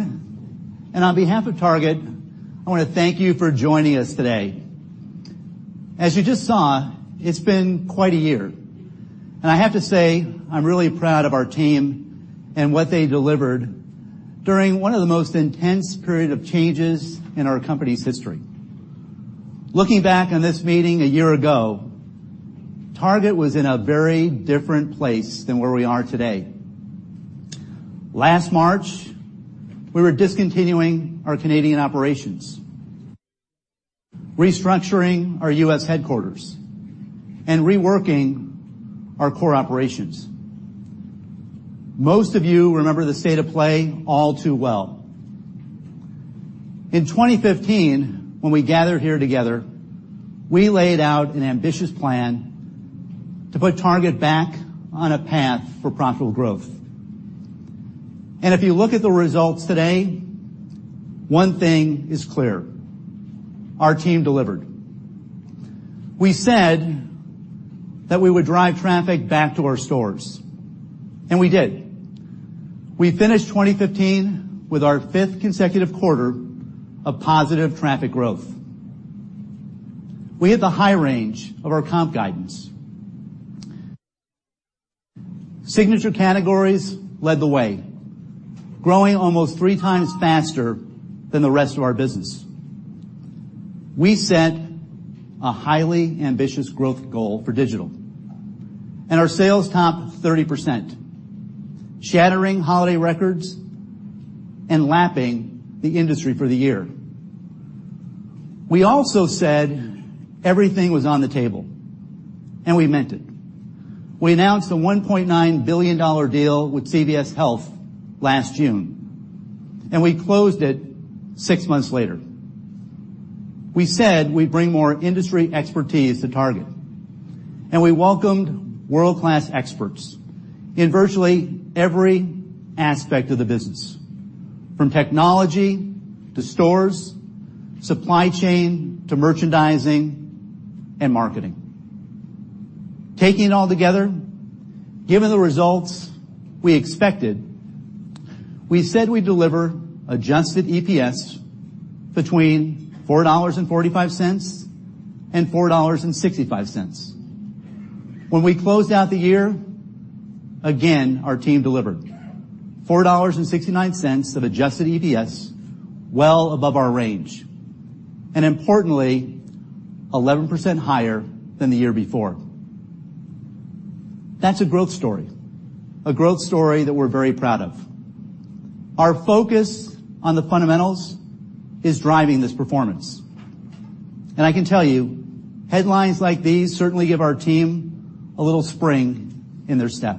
On behalf of Target, I want to thank you for joining us today. As you just saw, it's been quite a year. I have to say, I'm really proud of our team and what they delivered during one of the most intense period of changes in our company's history. Looking back on this meeting a year ago, Target was in a very different place than where we are today. Last March, we were discontinuing our Canadian operations, restructuring our U.S. headquarters, and reworking our core operations. Most of you remember the state of play all too well. In 2015, when we gathered here together, we laid out an ambitious plan to put Target back on a path for profitable growth. If you look at the results today, one thing is clear, our team delivered. We said that we would drive traffic back to our stores, we did. We finished 2015 with our fifth consecutive quarter of positive traffic growth. We hit the high range of our comp guidance. Signature categories led the way, growing almost three times faster than the rest of our business. Our sales topped 30%, shattering holiday records and lapping the industry for the year. We also said everything was on the table, we meant it. We announced a $1.9 billion deal with CVS Health last June, we closed it six months later. We said we'd bring more industry expertise to Target, we welcomed world-class experts in virtually every aspect of the business, from technology to stores, supply chain to merchandising and marketing. Taking it all together, given the results we expected, we said we'd deliver adjusted EPS between $4.45 and $4.65. When we closed out the year, again, our team delivered. $4.69 of adjusted EPS, well above our range. Importantly, 11% higher than the year before. That's a growth story, a growth story that we're very proud of. Our focus on the fundamentals is driving this performance. I can tell you, headlines like these certainly give our team a little spring in their step.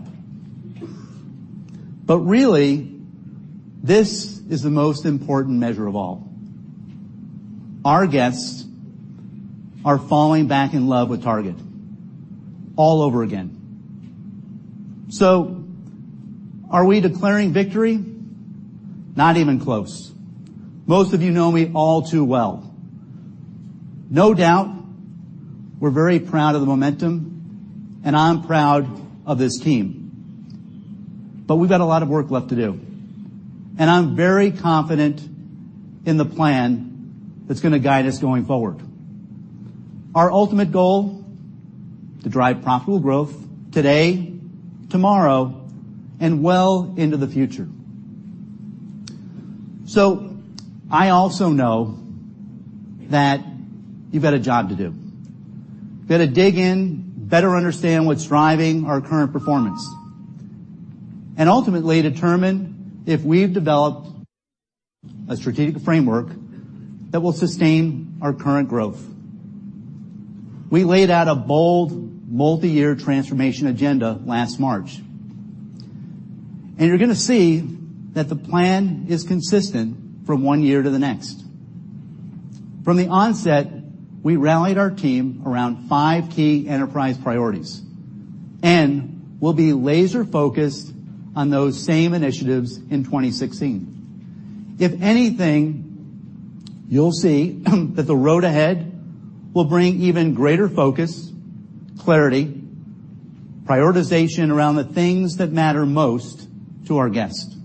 Really, this is the most important measure of all. Our guests are falling back in love with Target all over again. Are we declaring victory? Not even close. Most of you know me all too well. No doubt, we're very proud of the momentum, and I'm proud of this team. We've got a lot of work left to do, and I'm very confident in the plan that's going to guide us going forward. Our ultimate goal, to drive profitable growth today, tomorrow, and well into the future. I also know that you've got a job to do. You've got to dig in, better understand what's driving our current performance, and ultimately determine if we've developed a strategic framework that will sustain our current growth. We laid out a bold multi-year transformation agenda last March. You're going to see that the plan is consistent from one year to the next. From the onset, we rallied our team around five key enterprise priorities, and we'll be laser-focused on those same initiatives in 2016. If anything, you'll see that the road ahead will bring even greater focus, clarity, prioritization around the things that matter most to our guests.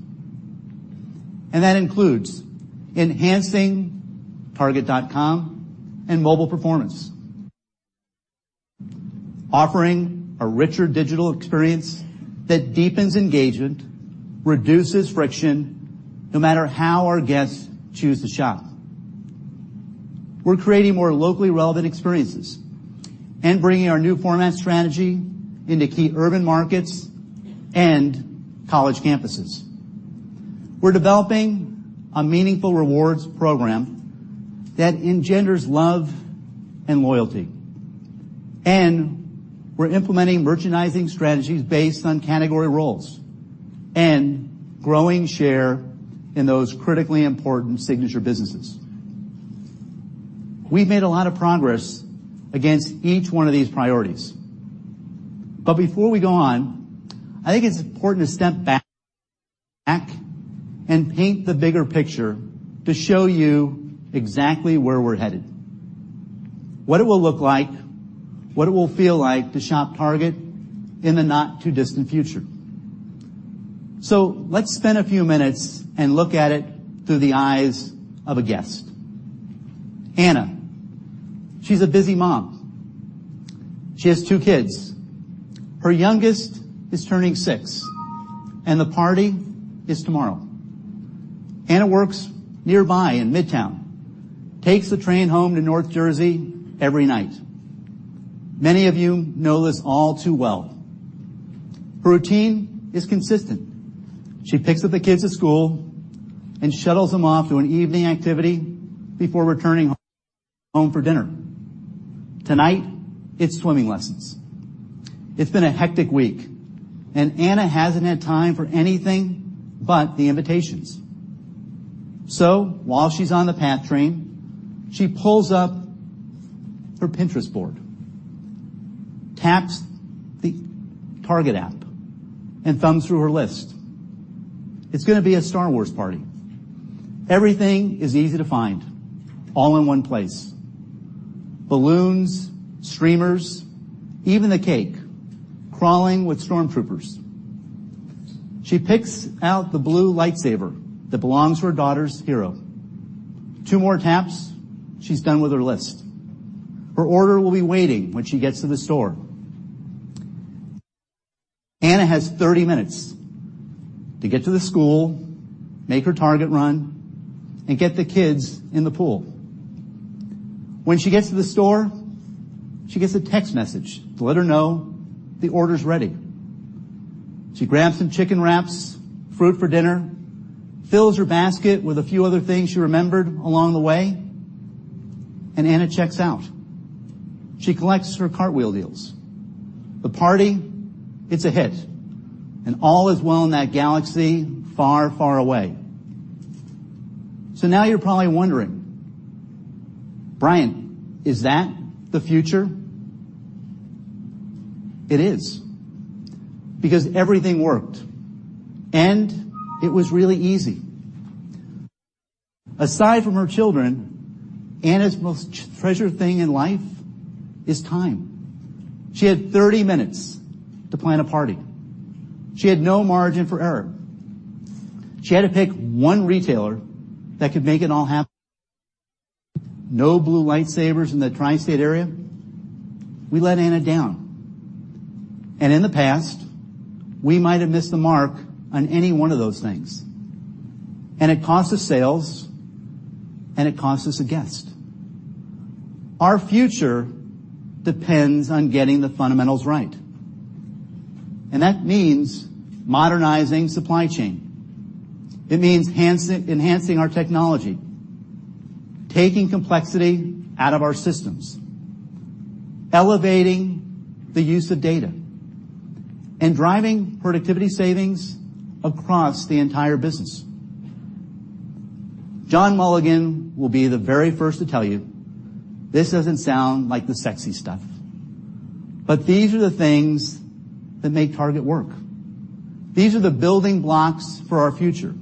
That includes enhancing target.com and mobile performance. Offering a richer digital experience that deepens engagement, reduces friction, no matter how our guests choose to shop. We're creating more locally relevant experiences and bringing our new format strategy into key urban markets and college campuses. We're developing a meaningful rewards program that engenders love and loyalty. We're implementing merchandising strategies based on category roles and growing share in those critically important signature businesses. We've made a lot of progress against each one of these priorities. Before we go on, I think it's important to step back and paint the bigger picture to show you exactly where we're headed. What it will look like, what it will feel like to shop Target in the not too distant future. Let's spend a few minutes and look at it through the eyes of a guest. Anna. She's a busy mom. She has two kids. Her youngest is turning six, and the party is tomorrow. Anna works nearby in Midtown, takes the train home to North Jersey every night. Many of you know this all too well. Her routine is consistent. She picks up the kids at school and shuttles them off to an evening activity before returning home for dinner. Tonight, it's swimming lessons. It's been a hectic week, and Anna hasn't had time for anything but the invitations. While she's on the PATH train, she pulls up her Pinterest board, taps the Target app, and thumbs through her list. It's gonna be a Star Wars party. Everything is easy to find, all in one place. Balloons, streamers, even the cake, crawling with Stormtroopers. She picks out the blue lightsaber that belongs to her daughter's hero. Two more taps, she's done with her list. Her order will be waiting when she gets to the store. Anna has 30 minutes to get to the school, make her Target run, and get the kids in the pool. When she gets to the store, she gets a text message to let her know the order's ready. She grabs some chicken wraps, fruit for dinner, fills her basket with a few other things she remembered along the way, and Anna checks out. She collects her Cartwheel deals. The party, it's a hit, and all is well in that galaxy far, far away. Now you're probably wondering, "Brian, is that the future?" It is, because everything worked, and it was really easy. Aside from her children, Anna's most treasured thing in life is time. She had 30 minutes to plan a party. She had no margin for error. She had to pick one retailer that could make it all happen. No blue lightsabers in the tri-state area, we let Anna down. In the past, we might have missed the mark on any one of those things, and it cost us sales, and it cost us a guest. Our future depends on getting the fundamentals right, and that means modernizing supply chain. It means enhancing our technology, taking complexity out of our systems, elevating the use of data, and driving productivity savings across the entire business. John Mulligan will be the very first to tell you, this doesn't sound like the sexy stuff, but these are the things that make Target work. These are the building blocks for our future,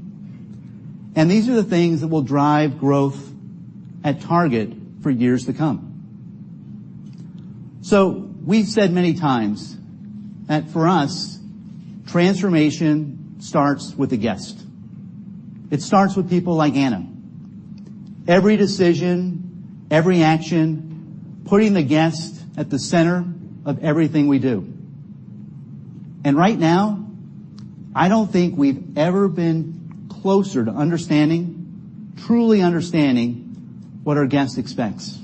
and these are the things that will drive growth at Target for years to come. We've said many times that for us, transformation starts with the guest. It starts with people like Anna. Every decision, every action, putting the guest at the center of everything we do. Right now, I don't think we've ever been closer to understanding, truly understanding, what our guest expects.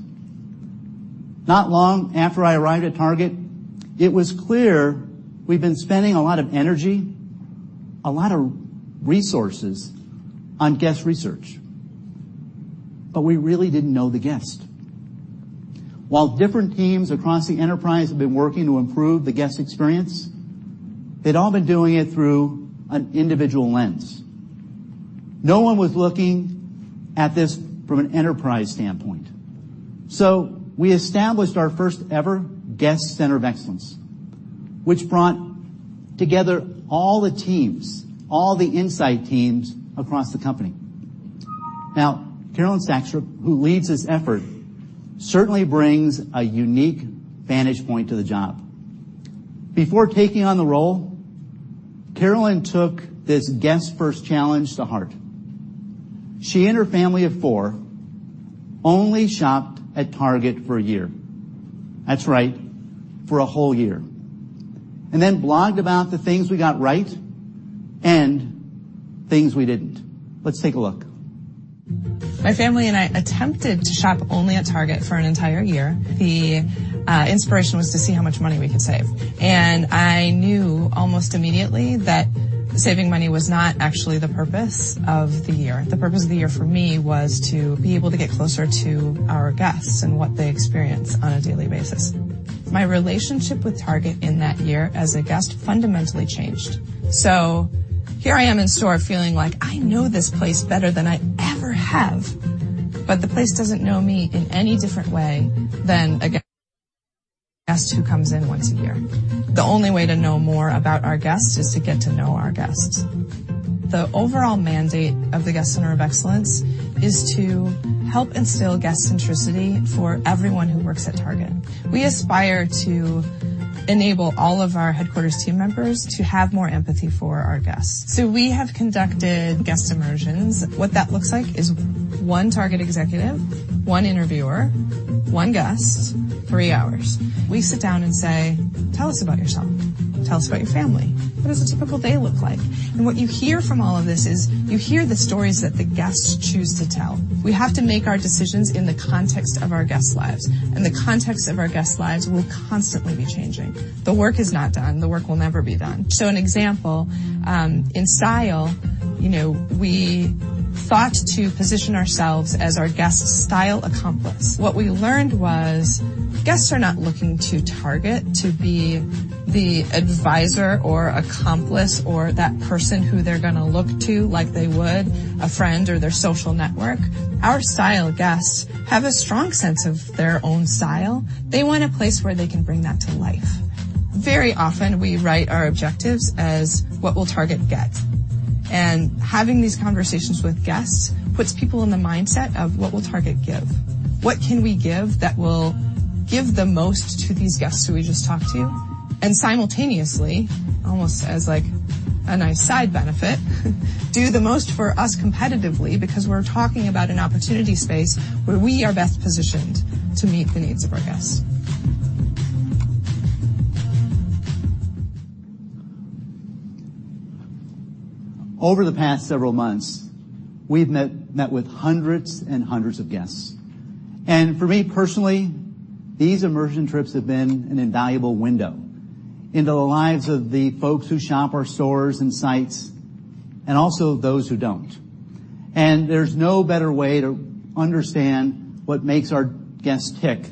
Not long after I arrived at Target, it was clear we've been spending a lot of energy, a lot of resources, on guest research. We really didn't know the guest. While different teams across the enterprise have been working to improve the guest experience, they'd all been doing it through an individual lens. No one was looking at this from an enterprise standpoint. We established our first-ever Guest Center of Excellence, which brought together all the teams, all the insight teams across the company. Carolyn Sakstrup, who leads this effort, certainly brings a unique vantage point to the job. Before taking on the role, Carolyn took this guest-first challenge to heart. She and her family of four only shopped at Target for a year. That's right, for a whole year, and then blogged about the things we got right and things we didn't. Let's take a look. My family and I attempted to shop only at Target for an entire year. The inspiration was to see how much money we could save. I knew almost immediately that saving money was not actually the purpose of the year. The purpose of the year for me was to be able to get closer to our guests and what they experience on a daily basis. My relationship with Target in that year as a guest fundamentally changed. Here I am in store feeling like I know this place better than I ever have, but the place doesn't know me in any different way than a guest who comes in once a year. The only way to know more about our guests is to get to know our guests. The overall mandate of the Guest Center of Excellence is to help instill guest centricity for everyone who works at Target. We aspire to enable all of our headquarters team members to have more empathy for our guests. We have conducted guest immersions. What that looks like is one Target executive, one interviewer, one guest, three hours. We sit down and say, "Tell us about yourself. Tell us about your family. What does a typical day look like?" What you hear from all of this is, you hear the stories that the guests choose to tell. We have to make our decisions in the context of our guests' lives, and the context of our guests' lives will constantly be changing. The work is not done. The work will never be done. An example, in style, we thought to position ourselves as our guests' style accomplice. What we learned was guests are not looking to Target to be the advisor or accomplice or that person who they're going to look to like they would a friend or their social network. Our style guests have a strong sense of their own style. They want a place where they can bring that to life. Very often, we write our objectives as "What will Target get?" Having these conversations with guests puts people in the mindset of "What will Target give? What can we give that will give the most to these guests who we just talked to?" Simultaneously, almost as like a nice side benefit, do the most for us competitively because we're talking about an opportunity space where we are best positioned to meet the needs of our guests. Over the past several months, we've met with hundreds and hundreds of guests. For me personally, these immersion trips have been an invaluable window into the lives of the folks who shop our stores and sites and also those who don't. There's no better way to understand what makes our guests tick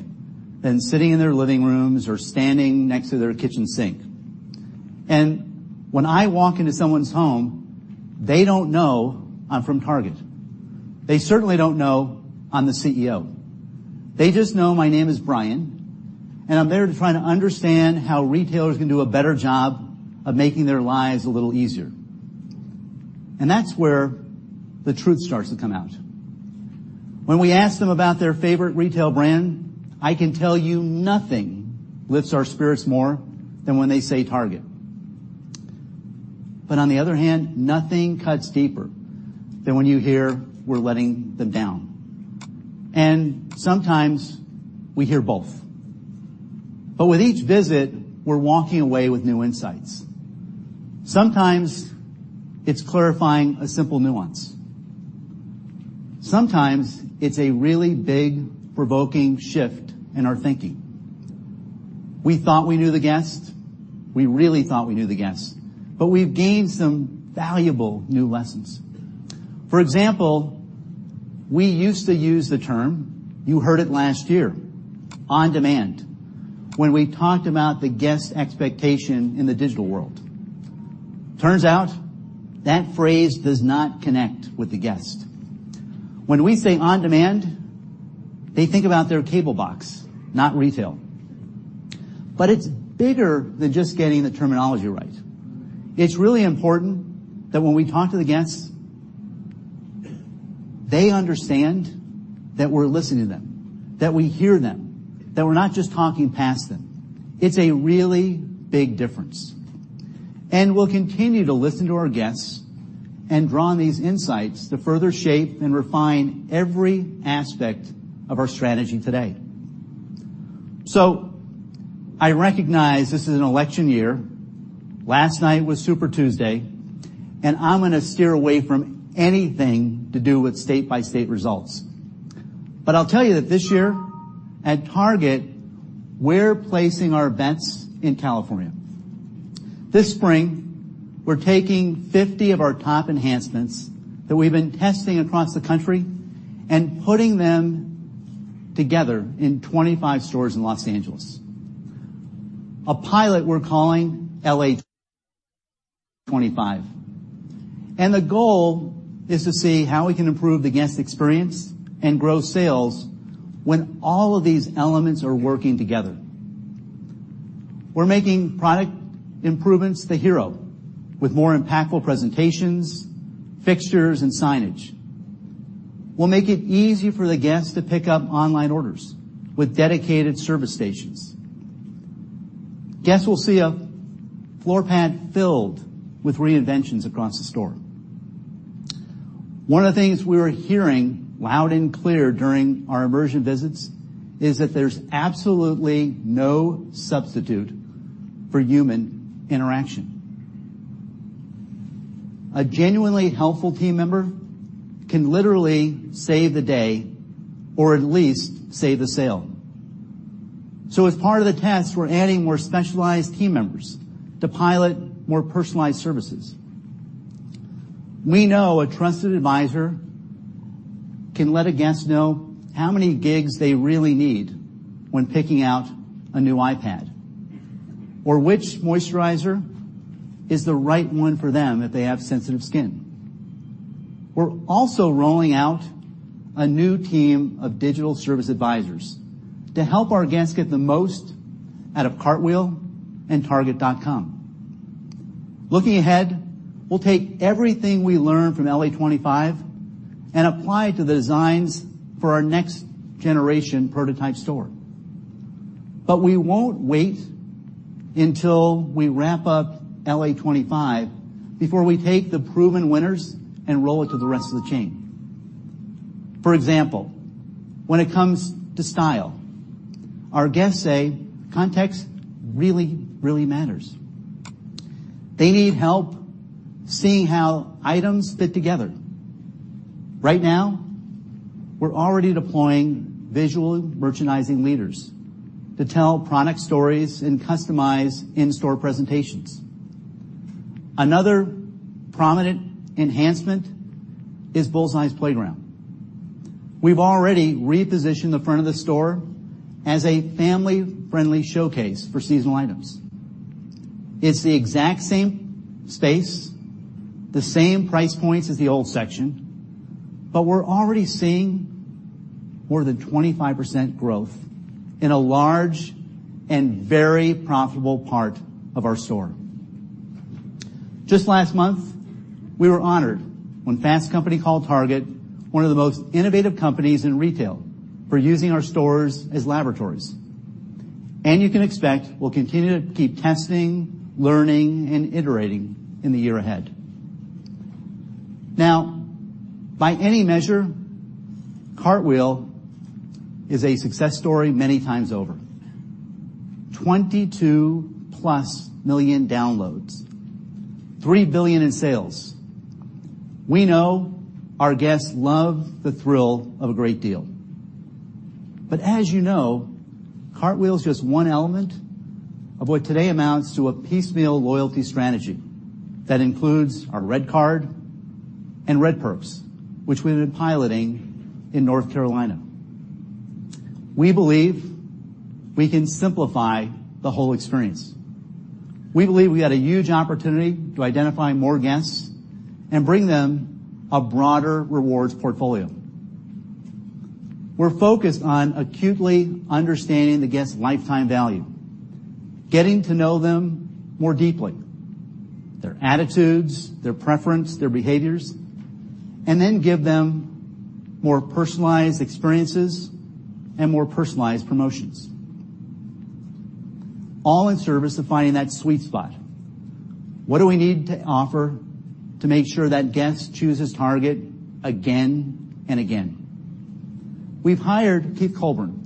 than sitting in their living rooms or standing next to their kitchen sink. When I walk into someone's home, they don't know I'm from Target. They certainly don't know I'm the CEO. They just know my name is Brian, and I'm there to try to understand how retailers can do a better job of making their lives a little easier. That's where the truth starts to come out. When we ask them about their favorite retail brand, I can tell you nothing lifts our spirits more than when they say Target. On the other hand, nothing cuts deeper than when you hear we're letting them down. Sometimes we hear both. With each visit, we're walking away with new insights. Sometimes it's clarifying a simple nuance. Sometimes it's a really big, provoking shift in our thinking. We thought we knew the guest. We really thought we knew the guest. We've gained some valuable new lessons. For example, we used to use the term, you heard it last year, "on demand" when we talked about the guest expectation in the digital world. Turns out, that phrase does not connect with the guest. When we say on demand, they think about their cable box, not retail. It's bigger than just getting the terminology right. It's really important that when we talk to the guests, they understand that we're listening to them, that we hear them, that we're not just talking past them. It's a really big difference. We'll continue to listen to our guests and draw on these insights to further shape and refine every aspect of our strategy today. I recognize this is an election year. Last night was Super Tuesday, and I'm going to steer away from anything to do with state-by-state results. I'll tell you that this year, at Target, we're placing our bets in California. This spring, we're taking 50 of our top enhancements that we've been testing across the country and putting them together in 25 stores in Los Angeles. A pilot we're calling LA 25. The goal is to see how we can improve the guest experience and grow sales when all of these elements are working together. We're making product improvements the hero with more impactful presentations, fixtures, and signage. We'll make it easy for the guests to pick up online orders with dedicated service stations. Guests will see a floor pad filled with reinventions across the store. One of the things we were hearing loud and clear during our immersion visits is that there's absolutely no substitute for human interaction. A genuinely helpful team member can literally save the day, or at least save the sale. As part of the test, we're adding more specialized team members to pilot more personalized services. We know a trusted advisor can let a guest know how many gigs they really need when picking out a new iPad, or which moisturizer is the right one for them if they have sensitive skin. We're also rolling out a new team of digital service advisors to help our guests get the most out of Cartwheel and target.com. Looking ahead, we'll take everything we learn from LA25 and apply it to the designs for our next generation prototype store. We won't wait until we wrap up LA25 before we take the proven winners and roll it to the rest of the chain. For example, when it comes to style, our guests say context really, really matters. They need help seeing how items fit together. Right now, we're already deploying visual merchandising leaders to tell product stories and customize in-store presentations. Another prominent enhancement is Bullseye's Playground. We've already repositioned the front of the store as a family-friendly showcase for seasonal items. It's the exact same space, the same price points as the old section. We're already seeing more than 25% growth in a large and very profitable part of our store. Just last month, we were honored when Fast Company called Target one of the most innovative companies in retail for using our stores as laboratories. You can expect we'll continue to keep testing, learning, and iterating in the year ahead. By any measure, Cartwheel is a success story many times over. 22-plus million downloads, $3 billion in sales. We know our guests love the thrill of a great deal. As you know, Cartwheel's just one element of what today amounts to a piecemeal loyalty strategy that includes our RedCard and Red Perks, which we've been piloting in North Carolina. We believe we can simplify the whole experience. We believe we got a huge opportunity to identify more guests and bring them a broader rewards portfolio. We're focused on acutely understanding the guest's lifetime value, getting to know them more deeply, their attitudes, their preference, their behaviors, and then give them more personalized experiences and more personalized promotions, all in service to finding that sweet spot. What do we need to offer to make sure that guest chooses Target again and again? We've hired Keith Colbourn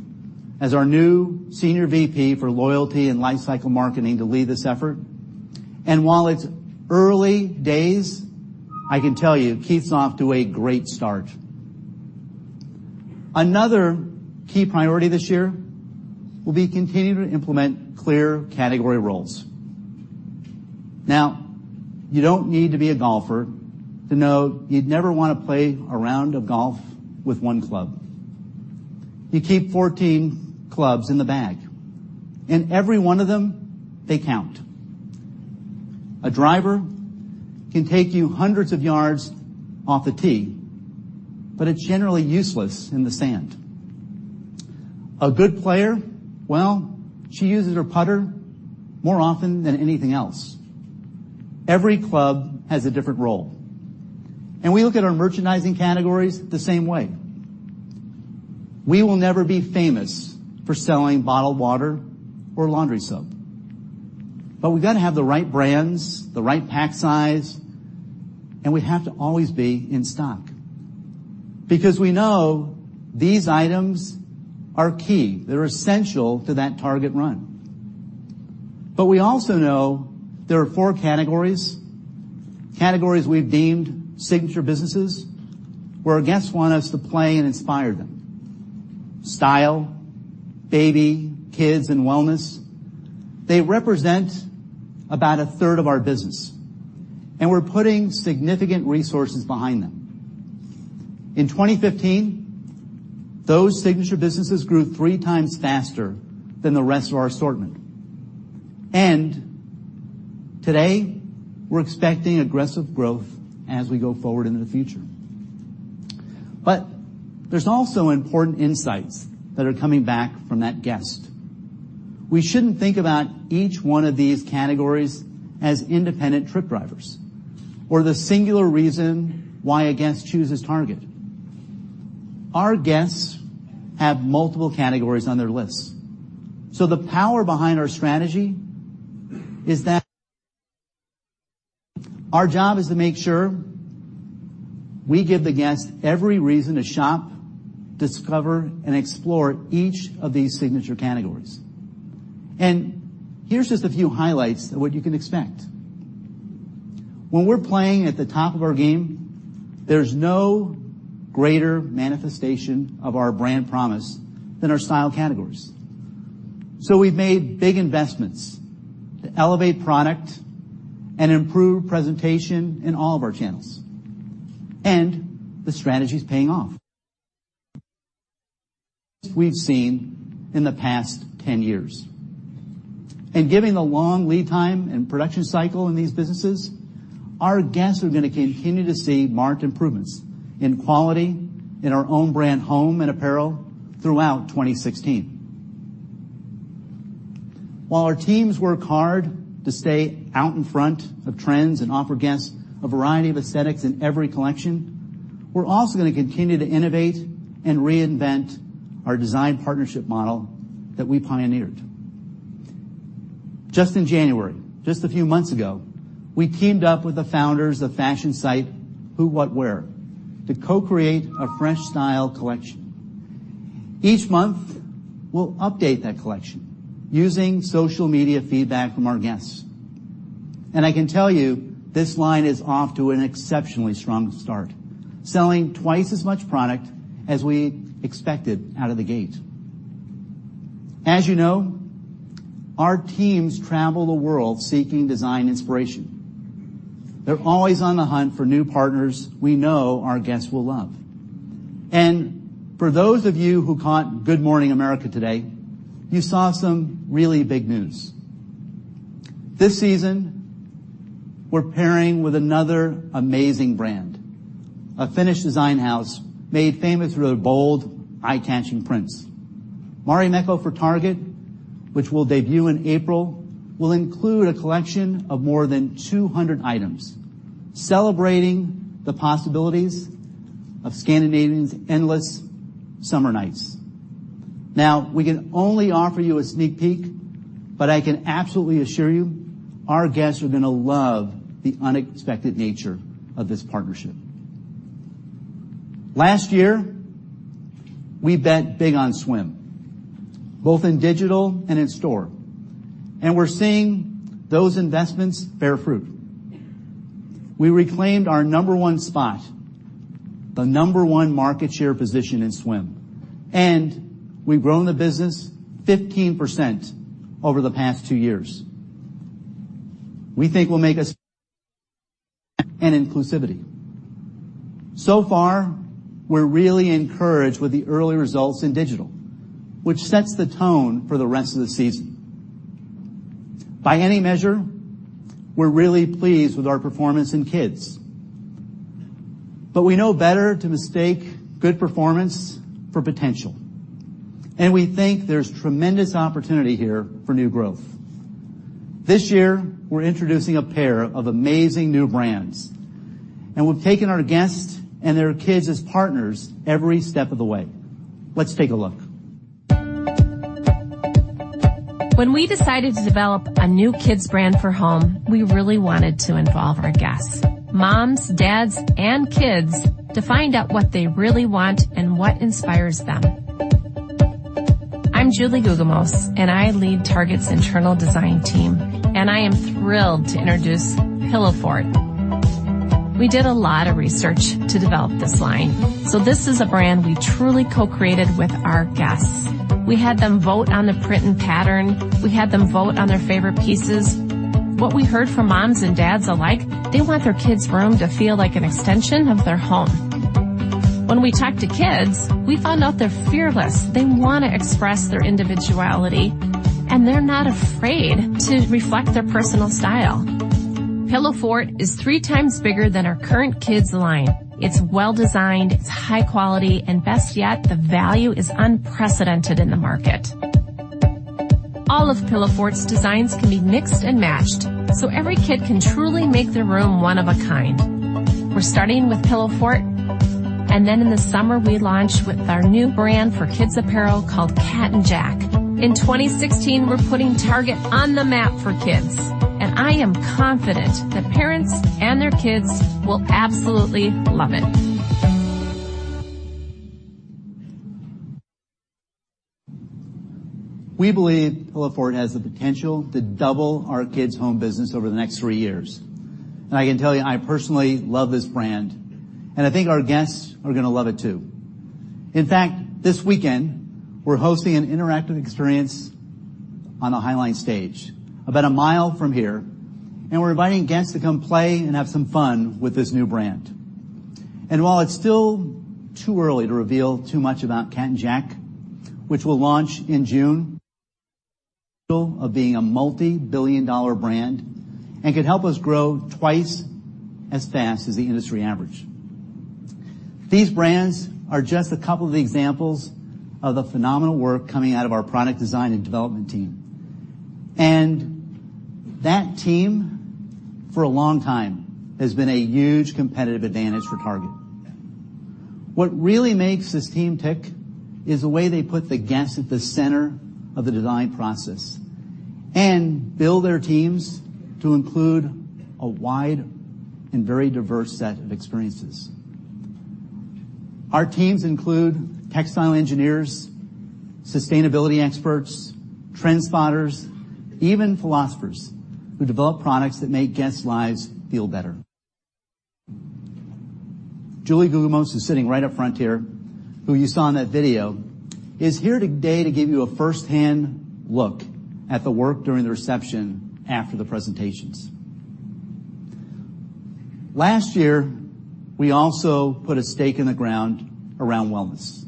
as our new Senior VP for loyalty and lifecycle marketing to lead this effort. While it's early days, I can tell you Keith's off to a great start. Another key priority this year will be continuing to implement clear category roles. You don't need to be a golfer to know you'd never want to play a round of golf with one club. You keep 14 clubs in the bag. Every one of them, they count. A driver can take you hundreds of yards off the tee, but it's generally useless in the sand. A good player, well, she uses her putter more often than anything else. Every club has a different role, and we look at our merchandising categories the same way. We will never be famous for selling bottled water or laundry soap, but we've got to have the right brands, the right pack size, and we have to always be in stock because we know these items are key. They're essential to that Target run. We also know there are four categories we've deemed signature businesses, where our guests want us to play and inspire them. Style, baby, kids, and wellness. They represent about a third of our business, and we're putting significant resources behind them. In 2015, those signature businesses grew three times faster than the rest of our assortment. Today, we're expecting aggressive growth as we go forward into the future. There's also important insights that are coming back from that guest. We shouldn't think about each one of these categories as independent trip drivers or the singular reason why a guest chooses Target. Our guests have multiple categories on their lists. The power behind our strategy is that our job is to make sure we give the guest every reason to shop, discover, and explore each of these signature categories. Here's just a few highlights of what you can expect. When we're playing at the top of our game, there's no greater manifestation of our brand promise than our style categories. We've made big investments to elevate product and improve presentation in all of our channels. The strategy's paying off. We've seen in the past 10 years. Given the long lead time and production cycle in these businesses, our guests are going to continue to see marked improvements in quality in our own brand home and apparel throughout 2016. While our teams work hard to stay out in front of trends and offer guests a variety of aesthetics in every collection, we're also going to continue to innovate and reinvent our design partnership model that we pioneered. Just in January, just a few months ago, we teamed up with the founders of fashion site Who What Wear to co-create a fresh style collection. Each month, we'll update that collection using social media feedback from our guests. I can tell you this line is off to an exceptionally strong start, selling twice as much product as we expected out of the gate. As you know, our teams travel the world seeking design inspiration. They're always on the hunt for new partners we know our guests will love. For those of you who caught "Good Morning America" today, you saw some really big news. This season, we're pairing with another amazing brand, a Finnish design house made famous for their bold, eye-catching prints. Marimekko for Target, which will debut in April, will include a collection of more than 200 items, celebrating the possibilities of Scandinavian endless summer nights. We can only offer you a sneak peek. I can absolutely assure you, our guests are going to love the unexpected nature of this partnership. Last year, we bet big on swim, both in digital and in store. We're seeing those investments bear fruit. We reclaimed our number one spot, the number one market share position in swim, and we've grown the business 15% over the past two years. We think we'll make a-- and inclusivity. So far, we're really encouraged with the early results in digital, which sets the tone for the rest of the season. By any measure, we're really pleased with our performance in kids. We know better to mistake good performance for potential, and we think there's tremendous opportunity here for new growth. This year, we're introducing a pair of amazing new brands, and we've taken our guests and their kids as partners every step of the way. Let's take a look. When we decided to develop a new kids brand for home, we really wanted to involve our guests, moms, dads, and kids, to find out what they really want and what inspires them. I'm Julie Guggemos, and I lead Target's internal design team, and I am thrilled to introduce Pillowfort. We did a lot of research to develop this line. This is a brand we truly co-created with our guests. We had them vote on the print and pattern. We had them vote on their favorite pieces. What we heard from moms and dads alike, they want their kids' room to feel like an extension of their home. When we talked to kids, we found out they're fearless. They want to express their individuality, and they're not afraid to reflect their personal style. Pillowfort is three times bigger than our current kids line. It's well-designed, it's high quality, and best yet, the value is unprecedented in the market. All of Pillowfort's designs can be mixed and matched, every kid can truly make their room one of a kind. We're starting with Pillowfort, and then in the summer, we launch with our new brand for kids apparel called Cat & Jack. In 2016, we're putting Target on the map for kids, and I am confident that parents and their kids will absolutely love it. We believe Pillowfort has the potential to double our kids' home business over the next three years. I can tell you, I personally love this brand, and I think our guests are gonna love it, too. In fact, this weekend, we're hosting an interactive experience on a High Line stage about a mile from here, and we're inviting guests to come play and have some fun with this new brand. While it's still too early to reveal too much about Cat & Jack, which we'll launch in June, of being a multi-billion dollar brand and could help us grow twice as fast as the industry average. These brands are just a couple of the examples of the phenomenal work coming out of our product design and development team. That team, for a long time, has been a huge competitive advantage for Target. What really makes this team tick is the way they put the guests at the center of the design process and build their teams to include a wide and very diverse set of experiences. Our teams include textile engineers, sustainability experts, trend spotters, even philosophers who develop products that make guests' lives feel better. Julie Guggemos, who's sitting right up front here, who you saw in that video, is here today to give you a firsthand look at the work during the reception after the presentations. Last year, we also put a stake in the ground around wellness.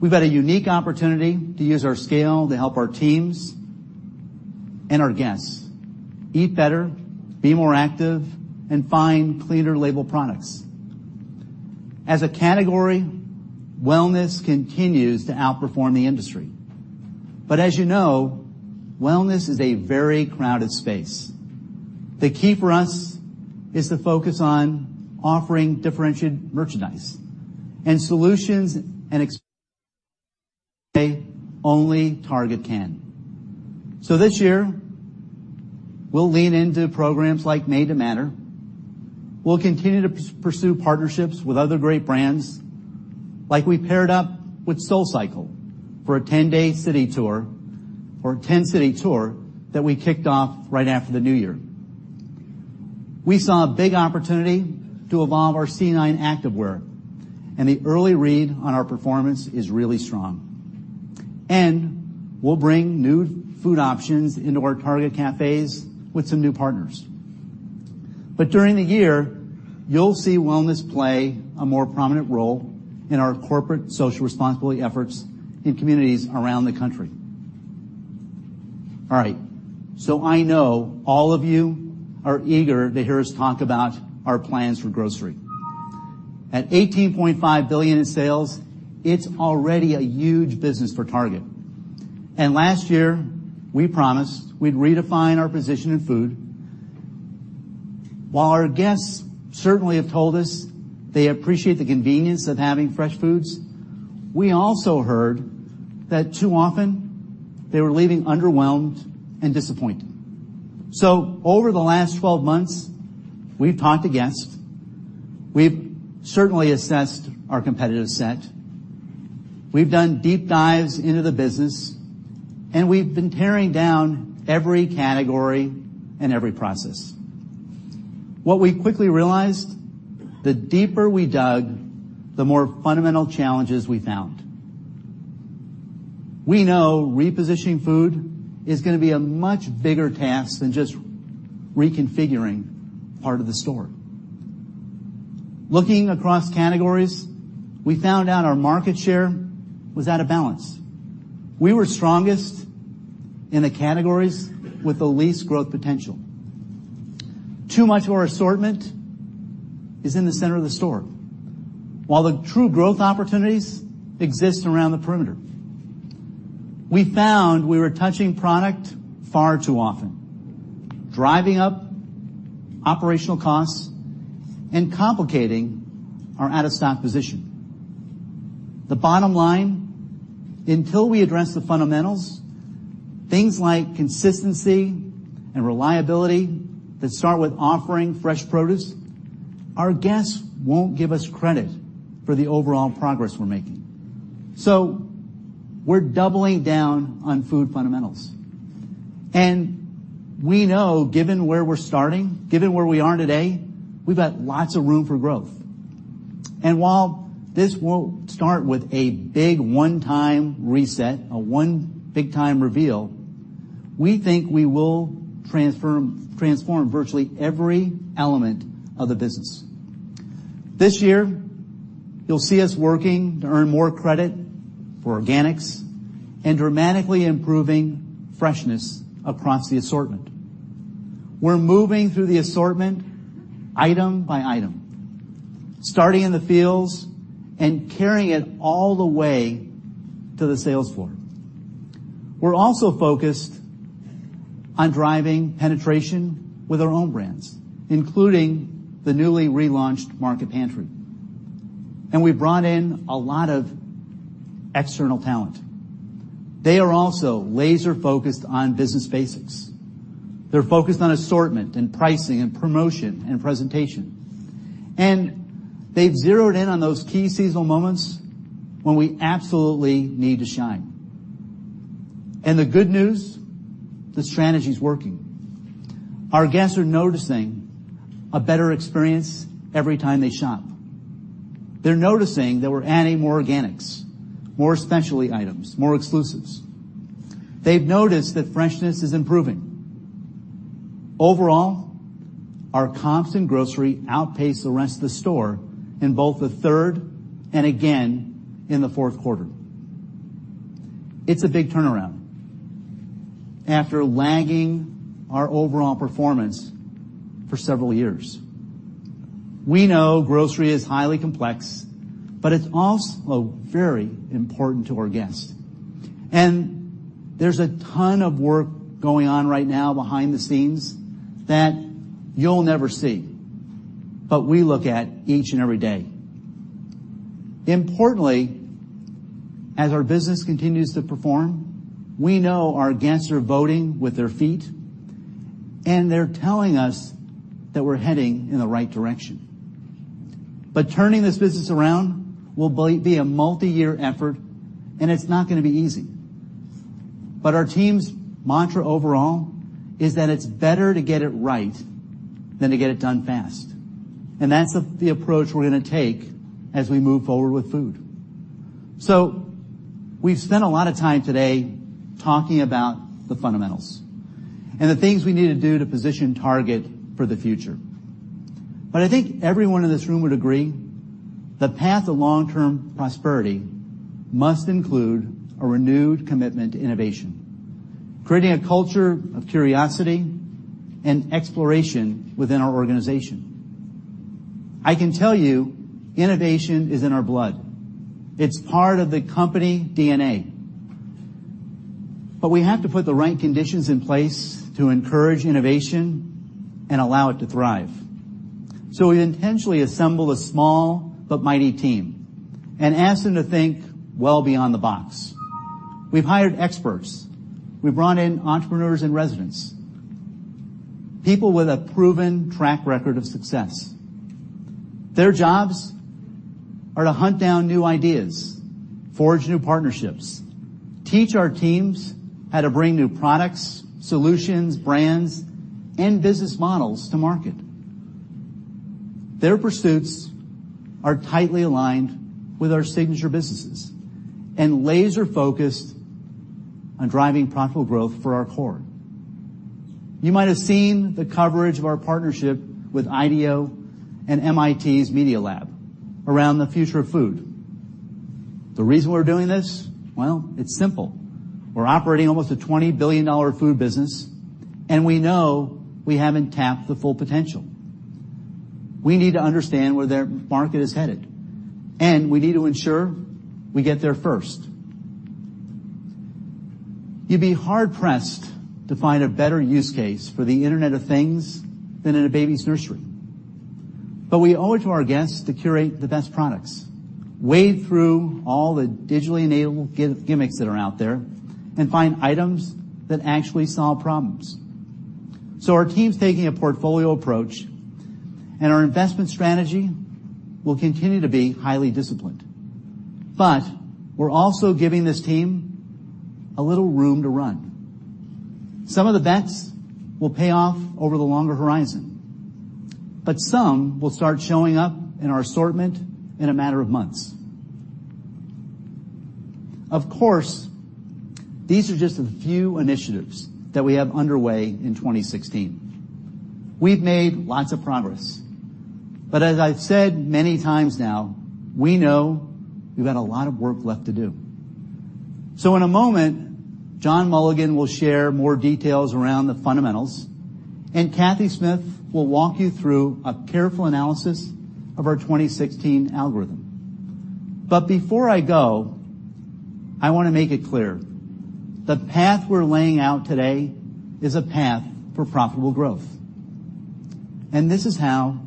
We've had a unique opportunity to use our scale to help our teams and our guests eat better, be more active, and find cleaner label products. As a category, wellness continues to outperform the industry. As you know, wellness is a very crowded space. The key for us is to focus on offering differentiated merchandise and solutions only Target can. This year, we'll lean into programs like Made to Matter. We'll continue to pursue partnerships with other great brands, like we paired up with SoulCycle for a 10-city tour that we kicked off right after the new year. We saw a big opportunity to evolve our C9 Activewear, and the early read on our performance is really strong. We'll bring new food options into our Target Cafes with some new partners. During the year, you'll see wellness play a more prominent role in our corporate social responsibility efforts in communities around the country. I know all of you are eager to hear us talk about our plans for grocery. At $18.5 billion in sales, it's already a huge business for Target. Last year, we promised we'd redefine our position in food. While our guests certainly have told us they appreciate the convenience of having fresh foods, we also heard that too often they were leaving underwhelmed and disappointed. Over the last 12 months, we've talked to guests, we've certainly assessed our competitive set, we've done deep dives into the business, and we've been tearing down every category and every process. What we quickly realized, the deeper we dug, the more fundamental challenges we found. We know repositioning food is gonna be a much bigger task than just reconfiguring part of the store. Looking across categories, we found out our market share was out of balance. We were strongest in the categories with the least growth potential. Too much of our assortment is in the center of the store, while the true growth opportunities exist around the perimeter. We found we were touching product far too often, driving up operational costs and complicating our out-of-stock position. The bottom line, until we address the fundamentals, things like consistency and reliability that start with offering fresh produce, our guests won't give us credit for the overall progress we're making. We're doubling down on food fundamentals. We know given where we're starting, given where we are today, we've got lots of room for growth. While this won't start with a big one-time reset, a one big time reveal, we think we will transform virtually every element of the business. This year, you'll see us working to earn more credit for organics and dramatically improving freshness across the assortment. We're moving through the assortment item by item, starting in the fields and carrying it all the way to the sales floor. We're also focused on driving penetration with our own brands, including the newly relaunched Market Pantry. We brought in a lot of external talent. They are also laser-focused on business basics. They're focused on assortment and pricing and promotion and presentation. They've zeroed in on those key seasonal moments when we absolutely need to shine. The good news, the strategy's working. Our guests are noticing a better experience every time they shop. They're noticing that we're adding more organics, more specialty items, more exclusives. They've noticed that freshness is improving. Overall, our comps in grocery outpaced the rest of the store in both the third and again in the fourth quarter. It's a big turnaround after lagging our overall performance for several years. We know grocery is highly complex, but it's also very important to our guests. There's a ton of work going on right now behind the scenes that you'll never see, but we look at each and every day. Importantly, as our business continues to perform, we know our guests are voting with their feet, and they're telling us that we're heading in the right direction. Turning this business around will be a multi-year effort, and it's not gonna be easy. Our team's mantra overall is that it's better to get it right than to get it done fast. That's the approach we're gonna take as we move forward with food. We've spent a lot of time today talking about the fundamentals and the things we need to do to position Target for the future. I think everyone in this room would agree, the path of long-term prosperity must include a renewed commitment to innovation, creating a culture of curiosity and exploration within our organization. I can tell you innovation is in our blood. It's part of the company DNA. We have to put the right conditions in place to encourage innovation and allow it to thrive. We intentionally assembled a small but mighty team and asked them to think well beyond the box. We've hired experts. We've brought in entrepreneurs-in-residence, people with a proven track record of success. Their jobs are to hunt down new ideas, forge new partnerships, teach our teams how to bring new products, solutions, brands, and business models to market. Their pursuits are tightly aligned with our signature businesses and laser-focused on driving profitable growth for our core. You might have seen the coverage of our partnership with IDEO and MIT's Media Lab around the future of food. The reason we're doing this, well, it's simple. We're operating almost a $20 billion food business, and we know we haven't tapped the full potential. We need to understand where their market is headed, and we need to ensure we get there first. You'd be hard-pressed to find a better use case for the Internet of Things than in a baby's nursery. We owe it to our guests to curate the best products, wade through all the digitally enabled gimmicks that are out there, and find items that actually solve problems. Our team's taking a portfolio approach, and our investment strategy will continue to be highly disciplined. We're also giving this team a little room to run. Some of the bets will pay off over the longer horizon, but some will start showing up in our assortment in a matter of months. Of course, these are just a few initiatives that we have underway in 2016. We've made lots of progress, but as I've said many times now, we know we've got a lot of work left to do. In a moment, John Mulligan will share more details around the fundamentals, and Cathy Smith will walk you through a careful analysis of our 2016 algorithm. Before I go, I want to make it clear, the path we're laying out today is a path for profitable growth. This is how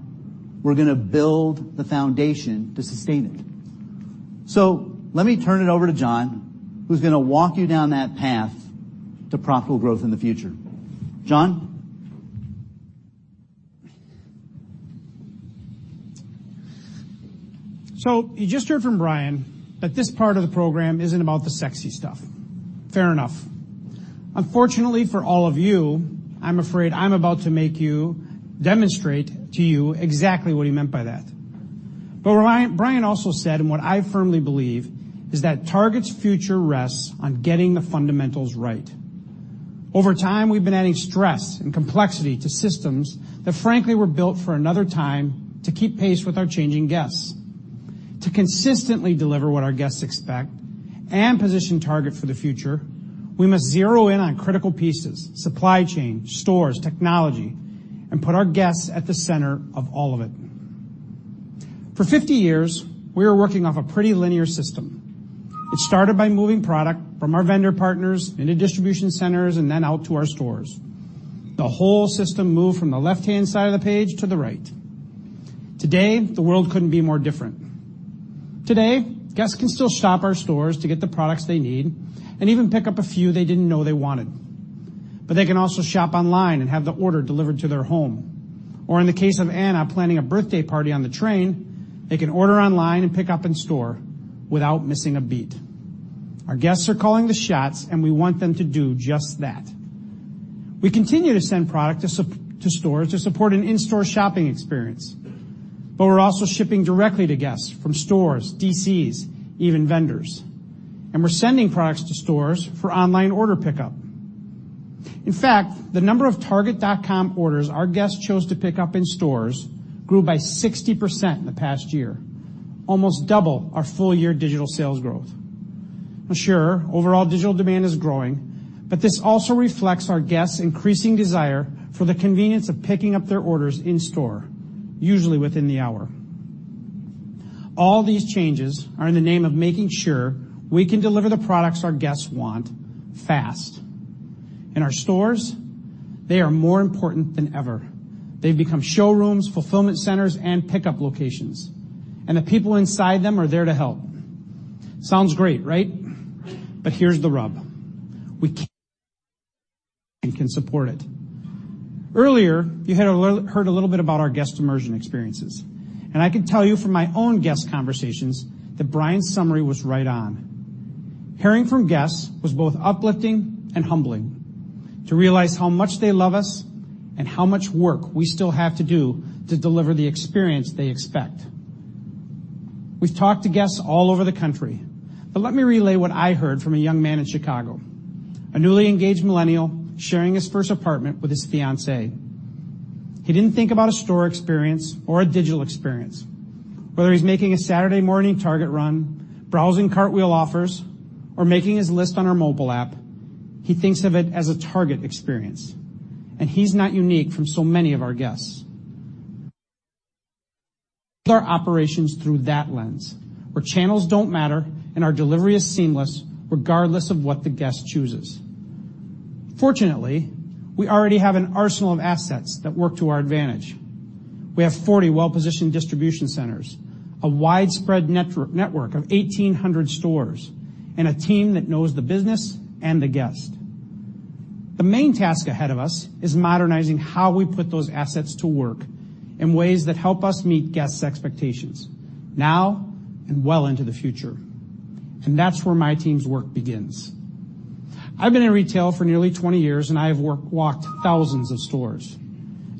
we're gonna build the foundation to sustain it. Let me turn it over to John, who's gonna walk you down that path to profitable growth in the future. John? You just heard from Brian that this part of the program isn't about the sexy stuff. Fair enough. Unfortunately for all of you, I'm afraid I'm about to demonstrate to you exactly what he meant by that. Brian also said, and what I firmly believe, is that Target's future rests on getting the fundamentals right. Over time, we've been adding stress and complexity to systems that, frankly, were built for another time to keep pace with our changing guests. To consistently deliver what our guests expect and position Target for the future, we must zero in on critical pieces, supply chain, stores, technology, and put our guests at the center of all of it. For 50 years, we were working off a pretty linear system. It started by moving product from our vendor partners into distribution centers and then out to our stores. The whole system moved from the left-hand side of the page to the right. Today, the world couldn't be more different. Today, guests can still shop our stores to get the products they need and even pick up a few they didn't know they wanted. They can also shop online and have the order delivered to their home. Or in the case of Anna planning a birthday party on the train, they can order online and pick up in store without missing a beat. Our guests are calling the shots, and we want them to do just that. We continue to send product to stores to support an in-store shopping experience, but we're also shipping directly to guests from stores, DCs, even vendors. We're sending products to stores for online order pickup. In fact, the number of Target.com orders our guests chose to pick up in stores grew by 60% in the past year, almost double our full-year digital sales growth. Sure, overall digital demand is growing, but this also reflects our guests' increasing desire for the convenience of picking up their orders in store, usually within the hour. All these changes are in the name of making sure we can deliver the products our guests want fast. Our stores, they are more important than ever. They've become showrooms, fulfillment centers, and pickup locations, and the people inside them are there to help. Sounds great, right? Here's the rub. Earlier, you heard a little bit about our guest immersion experiences. I can tell you from my own guest conversations that Brian's summary was right on. Hearing from guests was both uplifting and humbling to realize how much they love us and how much work we still have to do to deliver the experience they expect. We've talked to guests all over the country. Let me relay what I heard from a young man in Chicago, a newly engaged millennial sharing his first apartment with his fiancée. He didn't think about a store experience or a digital experience. Whether he's making a Saturday morning Target run, browsing Cartwheel offers, or making his list on our mobile app, he thinks of it as a Target experience. He's not unique from so many of our guests. Our operations through that lens, where channels don't matter and our delivery is seamless regardless of what the guest chooses. Fortunately, we already have an arsenal of assets that work to our advantage. We have 40 well-positioned distribution centers, a widespread network of 1,800 stores, and a team that knows the business and the guest. The main task ahead of us is modernizing how we put those assets to work in ways that help us meet guests' expectations now and well into the future. That's where my team's work begins. I've been in retail for nearly 20 years. I have walked thousands of stores.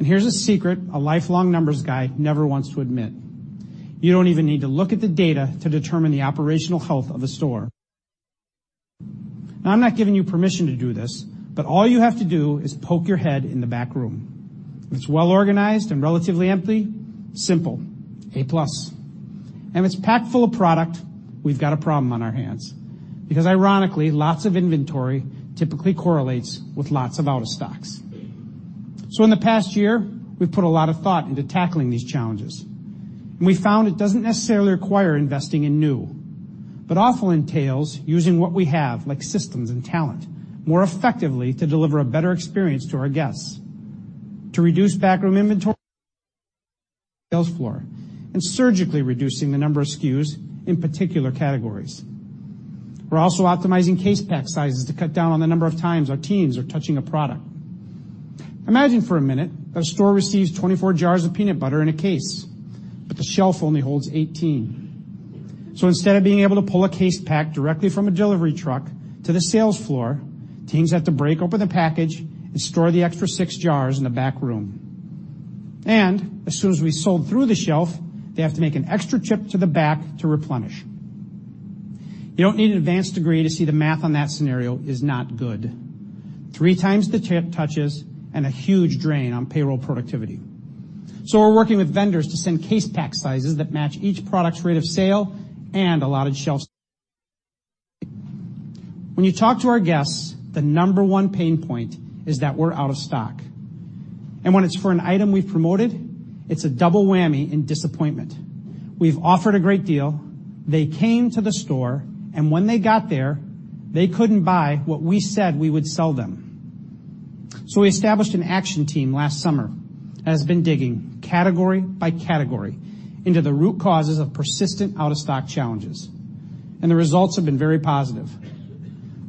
Here's a secret a lifelong numbers guy never wants to admit. You don't even need to look at the data to determine the operational health of a store. I'm not giving you permission to do this, but all you have to do is poke your head in the back room. If it's well-organized and relatively empty, simple, A-plus. If it's packed full of product, we've got a problem on our hands, because ironically, lots of inventory typically correlates with lots of out-of-stocks. In the past year, we've put a lot of thought into tackling these challenges. We found it doesn't necessarily require investing in new, but often entails using what we have, like systems and talent, more effectively to deliver a better experience to our guests. To reduce backroom inventory, sales floor, and surgically reducing the number of SKUs in particular categories. We're also optimizing case pack sizes to cut down on the number of times our teams are touching a product. Imagine for a minute that a store receives 24 jars of peanut butter in a case, but the shelf only holds 18. Instead of being able to pull a case pack directly from a delivery truck to the sales floor, teams have to break open the package and store the extra six jars in the back room. As soon as we sold through the shelf, they have to make an extra trip to the back to replenish. You don't need an advanced degree to see the math on that scenario is not good. Three times the touches and a huge drain on payroll productivity. We're working with vendors to send case pack sizes that match each product's rate of sale and allotted shelf. When you talk to our guests, the number one pain point is that we're out of stock. When it's for an item we've promoted, it's a double whammy in disappointment. We've offered a great deal, they came to the store, and when they got there, they couldn't buy what we said we would sell them. We established an action team last summer that has been digging category by category into the root causes of persistent out-of-stock challenges, and the results have been very positive.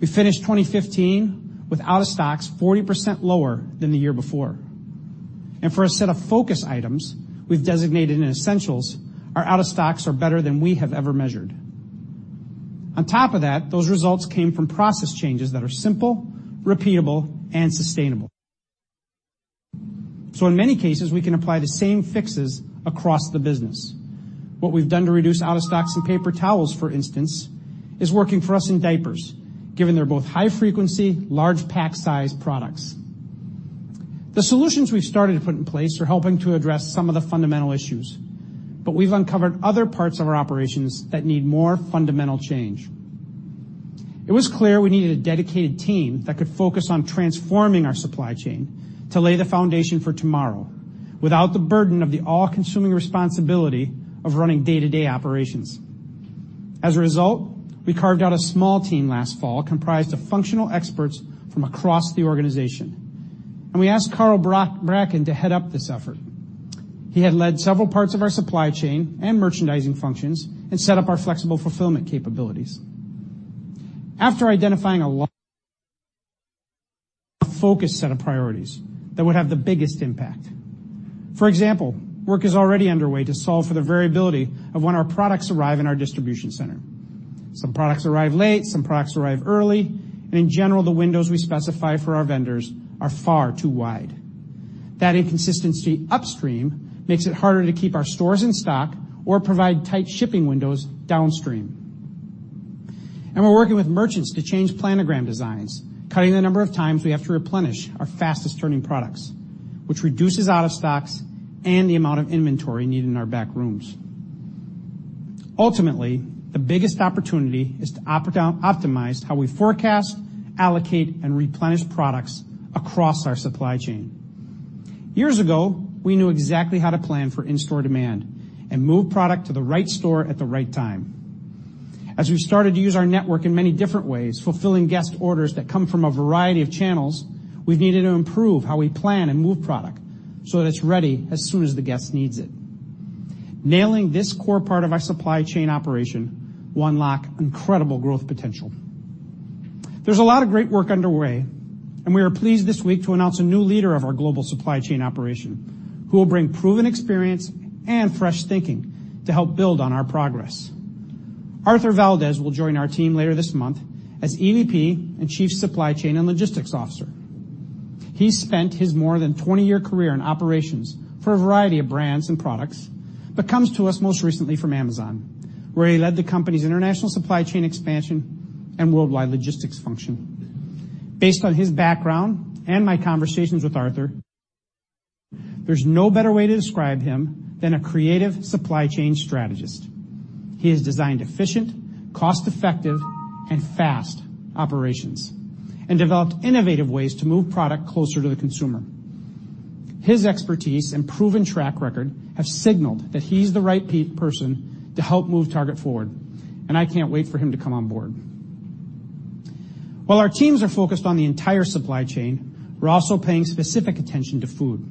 We finished 2015 with out-of-stocks 40% lower than the year before. For a set of focus items we've designated in essentials, our out-of-stocks are better than we have ever measured. On top of that, those results came from process changes that are simple, repeatable, and sustainable. In many cases, we can apply the same fixes across the business. What we've done to reduce out-of-stocks in paper towels, for instance, is working for us in diapers, given they're both high-frequency, large pack size products. The solutions we've started to put in place are helping to address some of the fundamental issues, but we've uncovered other parts of our operations that need more fundamental change. It was clear we needed a dedicated team that could focus on transforming our supply chain to lay the foundation for tomorrow without the burden of the all-consuming responsibility of running day-to-day operations. We carved out a small team last fall comprised of functional experts from across the organization, and we asked Karl Bracken to head up this effort. He had led several parts of our supply chain and merchandising functions and set up our flexible fulfillment capabilities. After identifying a focus set of priorities that would have the biggest impact. For example, work is already underway to solve for the variability of when our products arrive in our distribution center. Some products arrive late, some products arrive early, and in general, the windows we specify for our vendors are far too wide. That inconsistency upstream makes it harder to keep our stores in stock or provide tight shipping windows downstream. We're working with merchants to change planogram designs, cutting the number of times we have to replenish our fastest-turning products, which reduces out-of-stocks and the amount of inventory needed in our back rooms. Ultimately, the biggest opportunity is to optimize how we forecast, allocate, and replenish products across our supply chain. Years ago, we knew exactly how to plan for in-store demand and move product to the right store at the right time. As we've started to use our network in many different ways, fulfilling guest orders that come from a variety of channels, we've needed to improve how we plan and move product so that it's ready as soon as the guest needs it. Nailing this core part of our supply chain operation will unlock incredible growth potential. There's a lot of great work underway, and we are pleased this week to announce a new leader of our global supply chain operation who will bring proven experience and fresh thinking to help build on our progress. Arthur Valdez will join our team later this month as EVP and Chief Supply Chain and Logistics Officer. He spent his more than 20-year career in operations for a variety of brands and products, but comes to us most recently from Amazon, where he led the company's international supply chain expansion and worldwide logistics function. Based on his background and my conversations with Arthur, there's no better way to describe him than a creative supply chain strategist. He has designed efficient, cost-effective, and fast operations and developed innovative ways to move product closer to the consumer. His expertise and proven track record have signaled that he's the right person to help move Target forward, and I can't wait for him to come on board. While our teams are focused on the entire supply chain, we're also paying specific attention to food.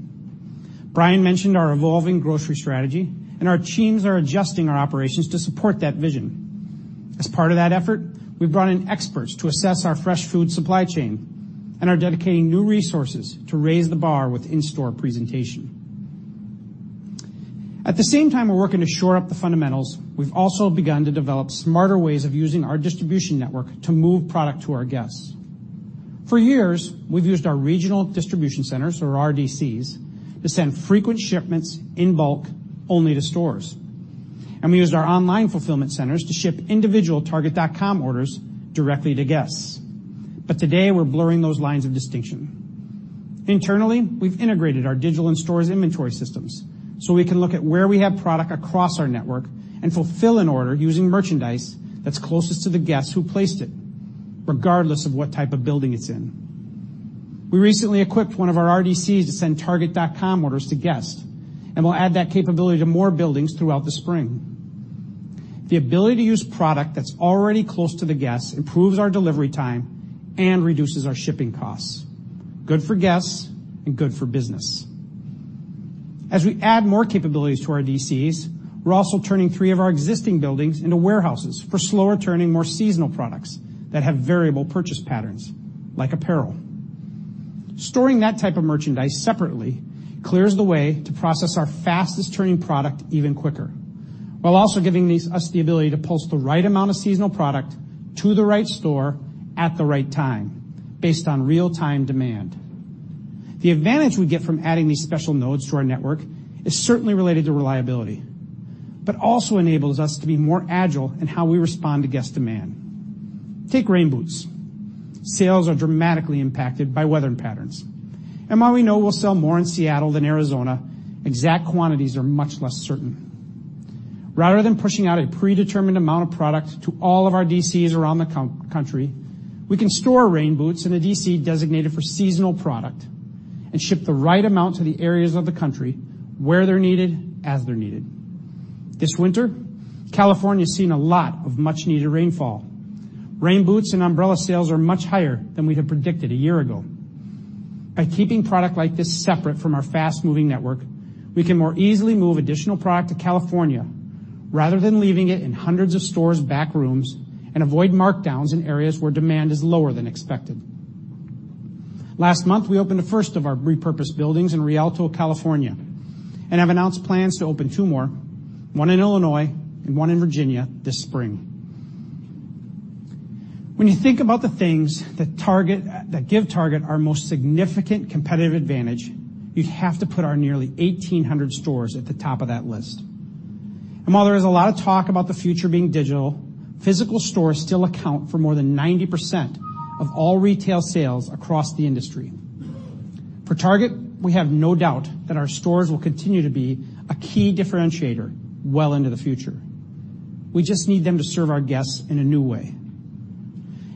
Brian mentioned our evolving grocery strategy, and our teams are adjusting our operations to support that vision. As part of that effort, we've brought in experts to assess our fresh food supply chain and are dedicating new resources to raise the bar with in-store presentation. At the same time we're working to shore up the fundamentals, we've also begun to develop smarter ways of using our distribution network to move product to our guests. For years, we've used our Regional Distribution Centers, or RDCs, to send frequent shipments in bulk only to stores. We used our online fulfillment centers to ship individual target.com orders directly to guests. Today, we're blurring those lines of distinction. Internally, we've integrated our digital and stores inventory systems so we can look at where we have product across our network and fulfill an order using merchandise that's closest to the guests who placed it, regardless of what type of building it's in. We recently equipped one of our RDCs to send target.com orders to guests, and we'll add that capability to more buildings throughout the spring. The ability to use product that's already close to the guests improves our delivery time and reduces our shipping costs. Good for guests and good for business. As we add more capabilities to our DCs, we're also turning three of our existing buildings into warehouses for slower-turning, more seasonal products that have variable purchase patterns, like apparel. Storing that type of merchandise separately clears the way to process our fastest-turning product even quicker, while also giving us the ability to pulse the right amount of seasonal product to the right store at the right time based on real-time demand. The advantage we get from adding these special nodes to our network is certainly related to reliability, but also enables us to be more agile in how we respond to guest demand. Take rain boots. Sales are dramatically impacted by weather patterns. While we know we'll sell more in Seattle than Arizona, exact quantities are much less certain. Rather than pushing out a predetermined amount of product to all of our DCs around the country, we can store rain boots in a DC designated for seasonal product and ship the right amount to the areas of the country where they're needed, as they're needed. This winter, California's seen a lot of much-needed rainfall. Rain boots and umbrella sales are much higher than we had predicted a year ago. By keeping product like this separate from our fast-moving network, we can more easily move additional product to California rather than leaving it in hundreds of stores' back rooms and avoid markdowns in areas where demand is lower than expected. Last month, we opened the first of our repurposed buildings in Rialto, California, and have announced plans to open two more, one in Illinois and one in Virginia this spring. When you think about the things that give Target our most significant competitive advantage, you have to put our nearly 1,800 stores at the top of that list. While there is a lot of talk about the future being digital, physical stores still account for more than 90% of all retail sales across the industry. For Target, we have no doubt that our stores will continue to be a key differentiator well into the future. We just need them to serve our guests in a new way.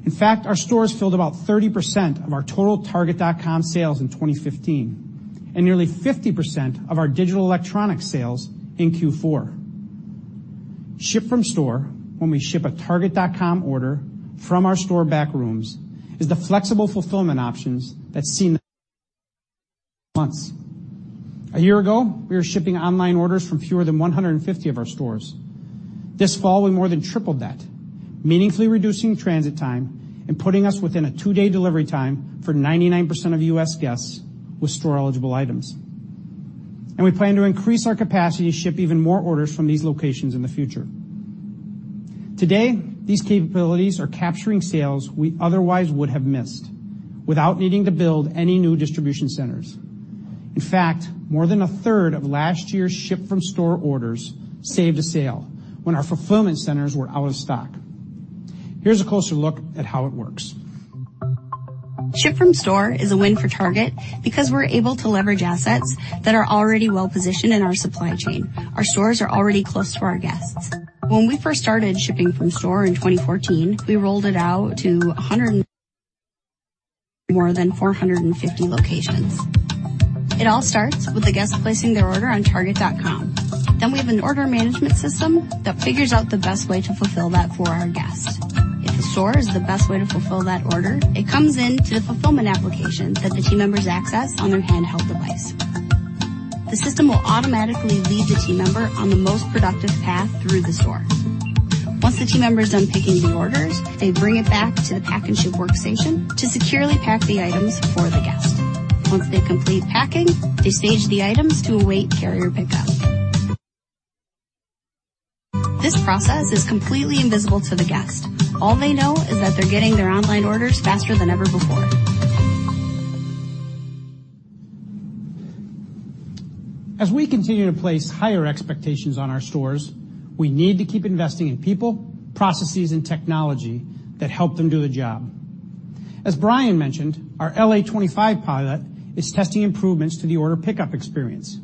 In fact, our stores filled about 30% of our total target.com sales in 2015 and nearly 50% of our digital electronic sales in Q4. Ship from store, when we ship a target.com order from our store back rooms, is the flexible fulfillment options months. A year ago, we were shipping online orders from fewer than 150 of our stores. This fall, we more than tripled that, meaningfully reducing transit time and putting us within a two-day delivery time for 99% of U.S. guests with store-eligible items. We plan to increase our capacity to ship even more orders from these locations in the future. Today, these capabilities are capturing sales we otherwise would have missed without needing to build any new distribution centers. In fact, more than a third of last year's ship-from-store orders saved a sale when our fulfillment centers were out of stock. Here's a closer look at how it works. Ship from store is a win for Target because we're able to leverage assets that are already well-positioned in our supply chain. Our stores are already close to our guests. When we first started shipping from store in 2014, we rolled it out to more than 450 locations. It all starts with the guest placing their order on target.com. We have an order management system that figures out the best way to fulfill that for our guest. If the store is the best way to fulfill that order, it comes into the fulfillment application that the team members access on their handheld device. The system will automatically lead the team member on the most productive path through the store. Once the team member is done picking the orders, they bring it back to the pack and ship workstation to securely pack the items for the guest. Once they complete packing, they stage the items to await carrier pickup. This process is completely invisible to the guest. All they know is that they're getting their online orders faster than ever before. As we continue to place higher expectations on our stores, we need to keep investing in people, processes, and technology that help them do the job. As Brian mentioned, our LA 25 pilot is testing improvements to the order pickup experience.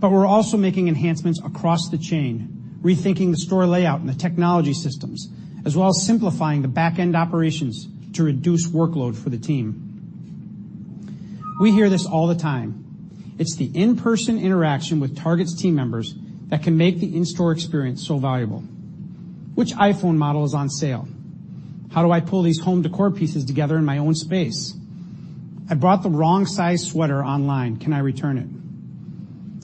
We're also making enhancements across the chain, rethinking the store layout and the technology systems, as well as simplifying the back-end operations to reduce workload for the team. We hear this all the time. It's the in-person interaction with Target's team members that can make the in-store experience so valuable. "Which iPhone model is on sale?" "How do I pull these home decor pieces together in my own space?" "I bought the wrong size sweater online. Can I return it?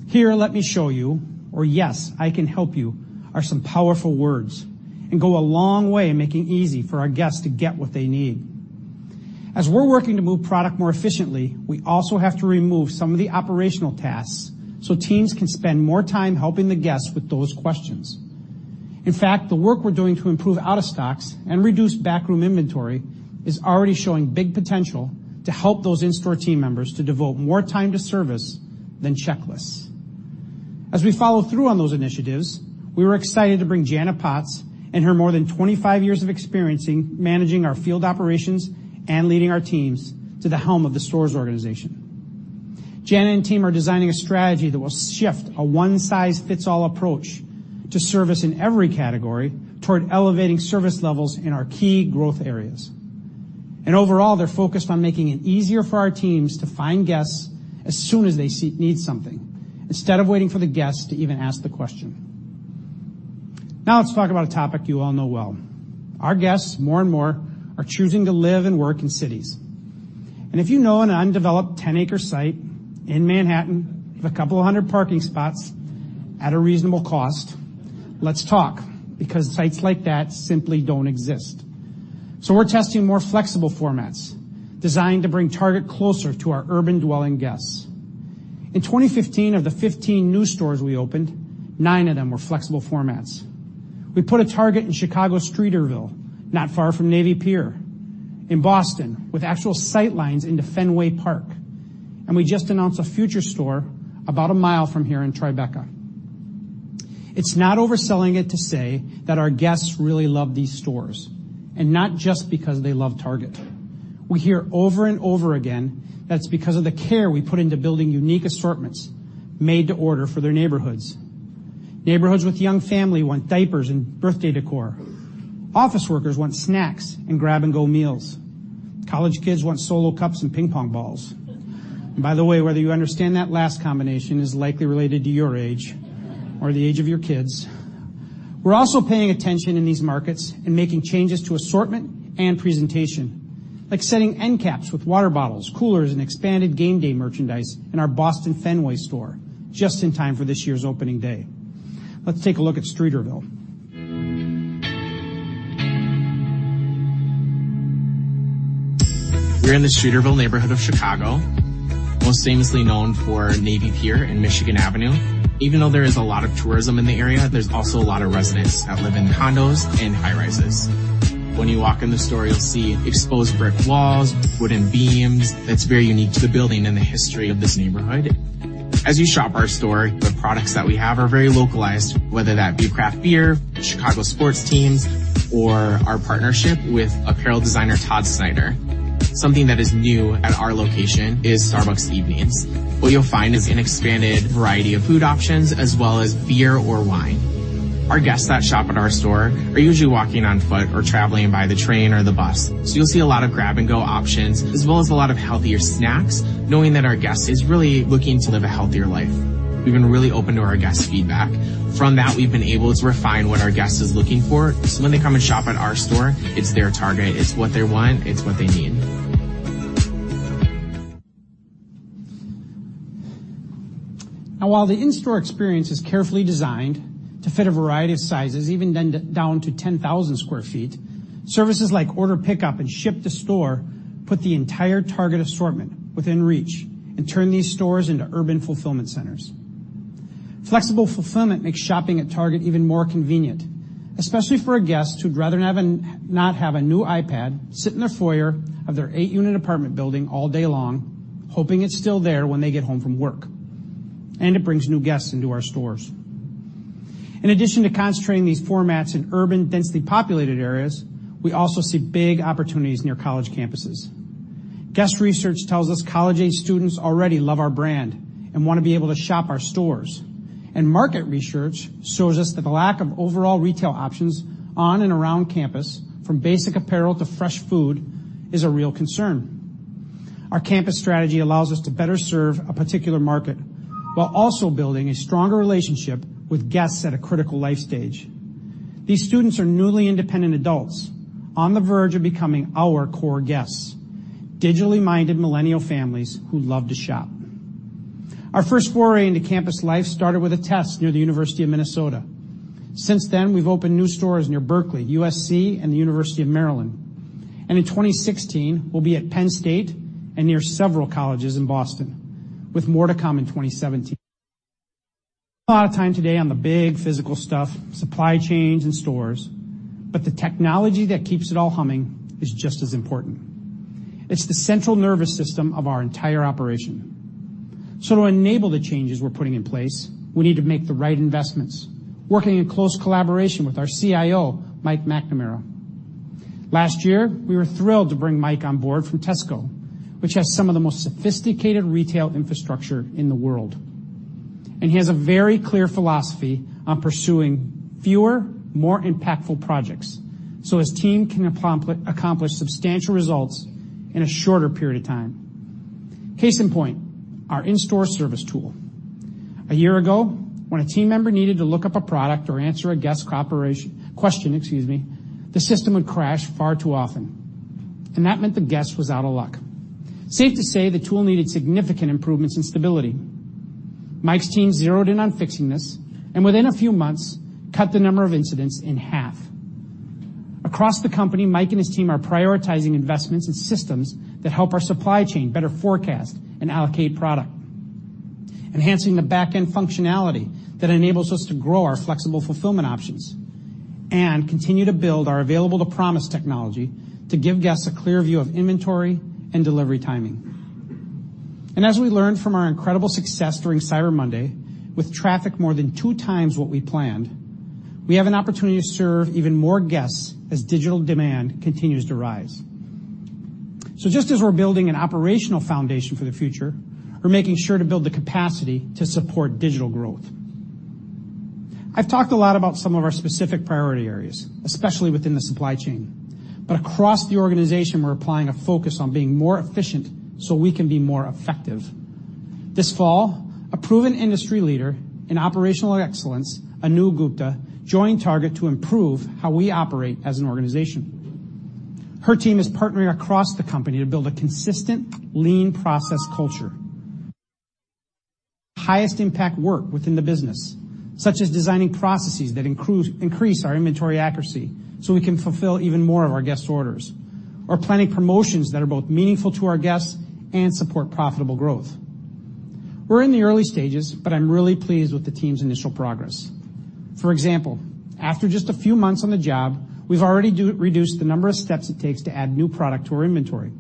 Here, let me show you," or, "Yes, I can help you," are some powerful words and go a long way in making it easy for our guests to get what they need. As we're working to move product more efficiently, we also have to remove some of the operational tasks so teams can spend more time helping the guests with those questions. In fact, the work we're doing to improve out-of-stocks and reduce backroom inventory is already showing big potential to help those in-store team members to devote more time to service than checklists. As we follow through on those initiatives, we were excited to bring Janna Potts and her more than 25 years of experience in managing our field operations and leading our teams to the helm of the stores organization. Janna and team are designing a strategy that will shift a one-size-fits-all approach to service in every category toward elevating service levels in our key growth areas. Overall, they're focused on making it easier for our teams to find guests as soon as they need something, instead of waiting for the guest to even ask the question. Now let's talk about a topic you all know well. Our guests, more and more, are choosing to live and work in cities. If you know an undeveloped 10-acre site in Manhattan with a couple of hundred parking spots at a reasonable cost, let's talk, because sites like that simply don't exist. We're testing more flexible formats designed to bring Target closer to our urban-dwelling guests. In 2015, of the 15 new stores we opened, nine of them were flexible formats. We put a Target in Chicago's Streeterville, not far from Navy Pier, in Boston, with actual sightlines into Fenway Park. We just announced a future store about one mile from here in Tribeca. It's not overselling it to say that our guests really love these stores, and not just because they love Target. We hear over and over again that it's because of the care we put into building unique assortments made to order for their neighborhoods. Neighborhoods with young family want diapers and birthday decor. Office workers want snacks and grab-and-go meals. College kids want solo cups and ping pong balls. By the way, whether you understand that last combination is likely related to your age or the age of your kids. We're also paying attention in these markets and making changes to assortment and presentation, like setting end caps with water bottles, coolers, and expanded game day merchandise in our Boston Fenway store, just in time for this year's opening day. Let's take a look at Streeterville. We're in the Streeterville neighborhood of Chicago, most famously known for Navy Pier and Michigan Avenue. Even though there is a lot of tourism in the area, there's also a lot of residents that live in condos and high-rises. When you walk in the store, you'll see exposed brick walls, wooden beams. That's very unique to the building and the history of this neighborhood. As you shop our store, the products that we have are very localized, whether that be craft beer, Chicago sports teams, or our partnership with apparel designer Todd Snyder. Something that is new at our location is Starbucks Evenings. What you'll find is an expanded variety of food options, as well as beer or wine. Our guests that shop at our store are usually walking on foot or traveling by the train or the bus. You'll see a lot of grab-and-go options, as well as a lot of healthier snacks, knowing that our guest is really looking to live a healthier life. We've been really open to our guests' feedback. From that, we've been able to refine what our guest is looking for. When they come and shop at our store, it's their Target. It's what they want. It's what they need. While the in-store experience is carefully designed to fit a variety of sizes, even down to 10,000 sq ft, services like order pickup and ship to store put the entire Target assortment within reach and turn these stores into urban fulfillment centers. Flexible fulfillment makes shopping at Target even more convenient, especially for a guest who'd rather not have a new iPad sit in the foyer of their eight-unit apartment building all day long, hoping it's still there when they get home from work. It brings new guests into our stores. In addition to concentrating these formats in urban, densely populated areas, we also see big opportunities near college campuses. Guest research tells us college-aged students already love our brand and want to be able to shop our stores. Market research shows us that the lack of overall retail options on and around campus, from basic apparel to fresh food, is a real concern. Our campus strategy allows us to better serve a particular market while also building a stronger relationship with guests at a critical life stage. These students are newly independent adults on the verge of becoming our core guests, digitally-minded millennial families who love to shop. Our first foray into campus life started with a test near the University of Minnesota. Since then, we've opened new stores near Berkeley, USC, and the University of Maryland. In 2016, we'll be at Penn State and near several colleges in Boston, with more to come in 2017. A lot of time today on the big physical stuff, supply chains and stores, but the technology that keeps it all humming is just as important. It's the central nervous system of our entire operation. To enable the changes we're putting in place, we need to make the right investments, working in close collaboration with our CIO, Mike McNamara. Last year, we were thrilled to bring Mike on board from Tesco, which has some of the most sophisticated retail infrastructure in the world. He has a very clear philosophy on pursuing fewer, more impactful projects, so his team can accomplish substantial results in a shorter period of time. Case in point, our in-store service tool. A year ago, when a team member needed to look up a product or answer a guest question, excuse me, the system would crash far too often. That meant the guest was out of luck. Safe to say the tool needed significant improvements in stability. Mike's team zeroed in on fixing this, and within a few months, cut the number of incidents in half. Across the company, Mike and his team are prioritizing investments in systems that help our supply chain better forecast and allocate product, enhancing the back-end functionality that enables us to grow our flexible fulfillment options and continue to build our available to promise technology to give guests a clear view of inventory and delivery timing. As we learned from our incredible success during Cyber Monday, with traffic more than two times what we planned, we have an opportunity to serve even more guests as digital demand continues to rise. Just as we're building an operational foundation for the future, we're making sure to build the capacity to support digital growth. I've talked a lot about some of our specific priority areas, especially within the supply chain. Across the organization, we're applying a focus on being more efficient so we can be more effective. This fall, a proven industry leader in operational excellence, Anu Gupta, joined Target to improve how we operate as an organization. Her team is partnering across the company to build a consistent, lean process culture. Highest impact work within the business, such as designing processes that increase our inventory accuracy so we can fulfill even more of our guests' orders, or planning promotions that are both meaningful to our guests and support profitable growth. We're in the early stages, but I'm really pleased with the team's initial progress. For example, after just a few months on the job, we've already reduced the number of steps it takes to add new product to our inventory.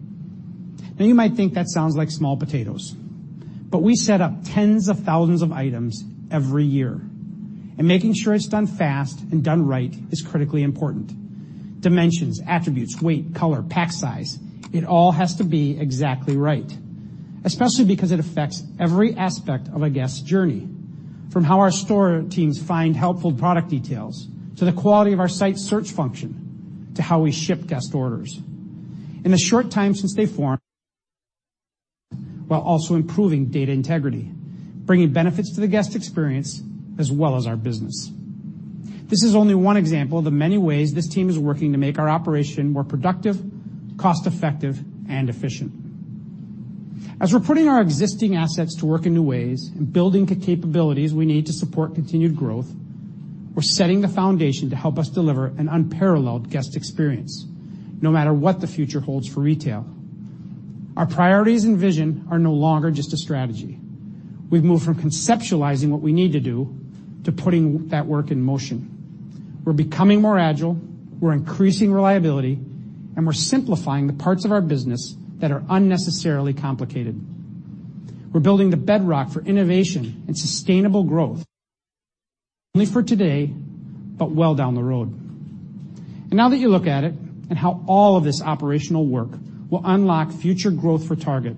You might think that sounds like small potatoes, but we set up tens of thousands of items every year, and making sure it is done fast and done right is critically important. Dimensions, attributes, weight, color, pack size, it all has to be exactly right, especially because it affects every aspect of a Guest's journey, from how our store teams find helpful product details, to the quality of our site search function, to how we ship Guest orders, while also improving data integrity, bringing benefits to the Guest experience, as well as our business. This is only one example of the many ways this team is working to make our operation more productive, cost-effective, and efficient. We are putting our existing assets to work in new ways and building the capabilities we need to support continued growth, we are setting the foundation to help us deliver an unparalleled Guest experience, no matter what the future holds for retail. Our priorities and vision are no longer just a strategy. We have moved from conceptualizing what we need to do to putting that work in motion. We are becoming more agile, we are increasing reliability, and we are simplifying the parts of our business that are unnecessarily complicated. We are building the bedrock for innovation and sustainable growth, not only for today, but well down the road. Now that you look at it and how all of this operational work will unlock future growth for Target,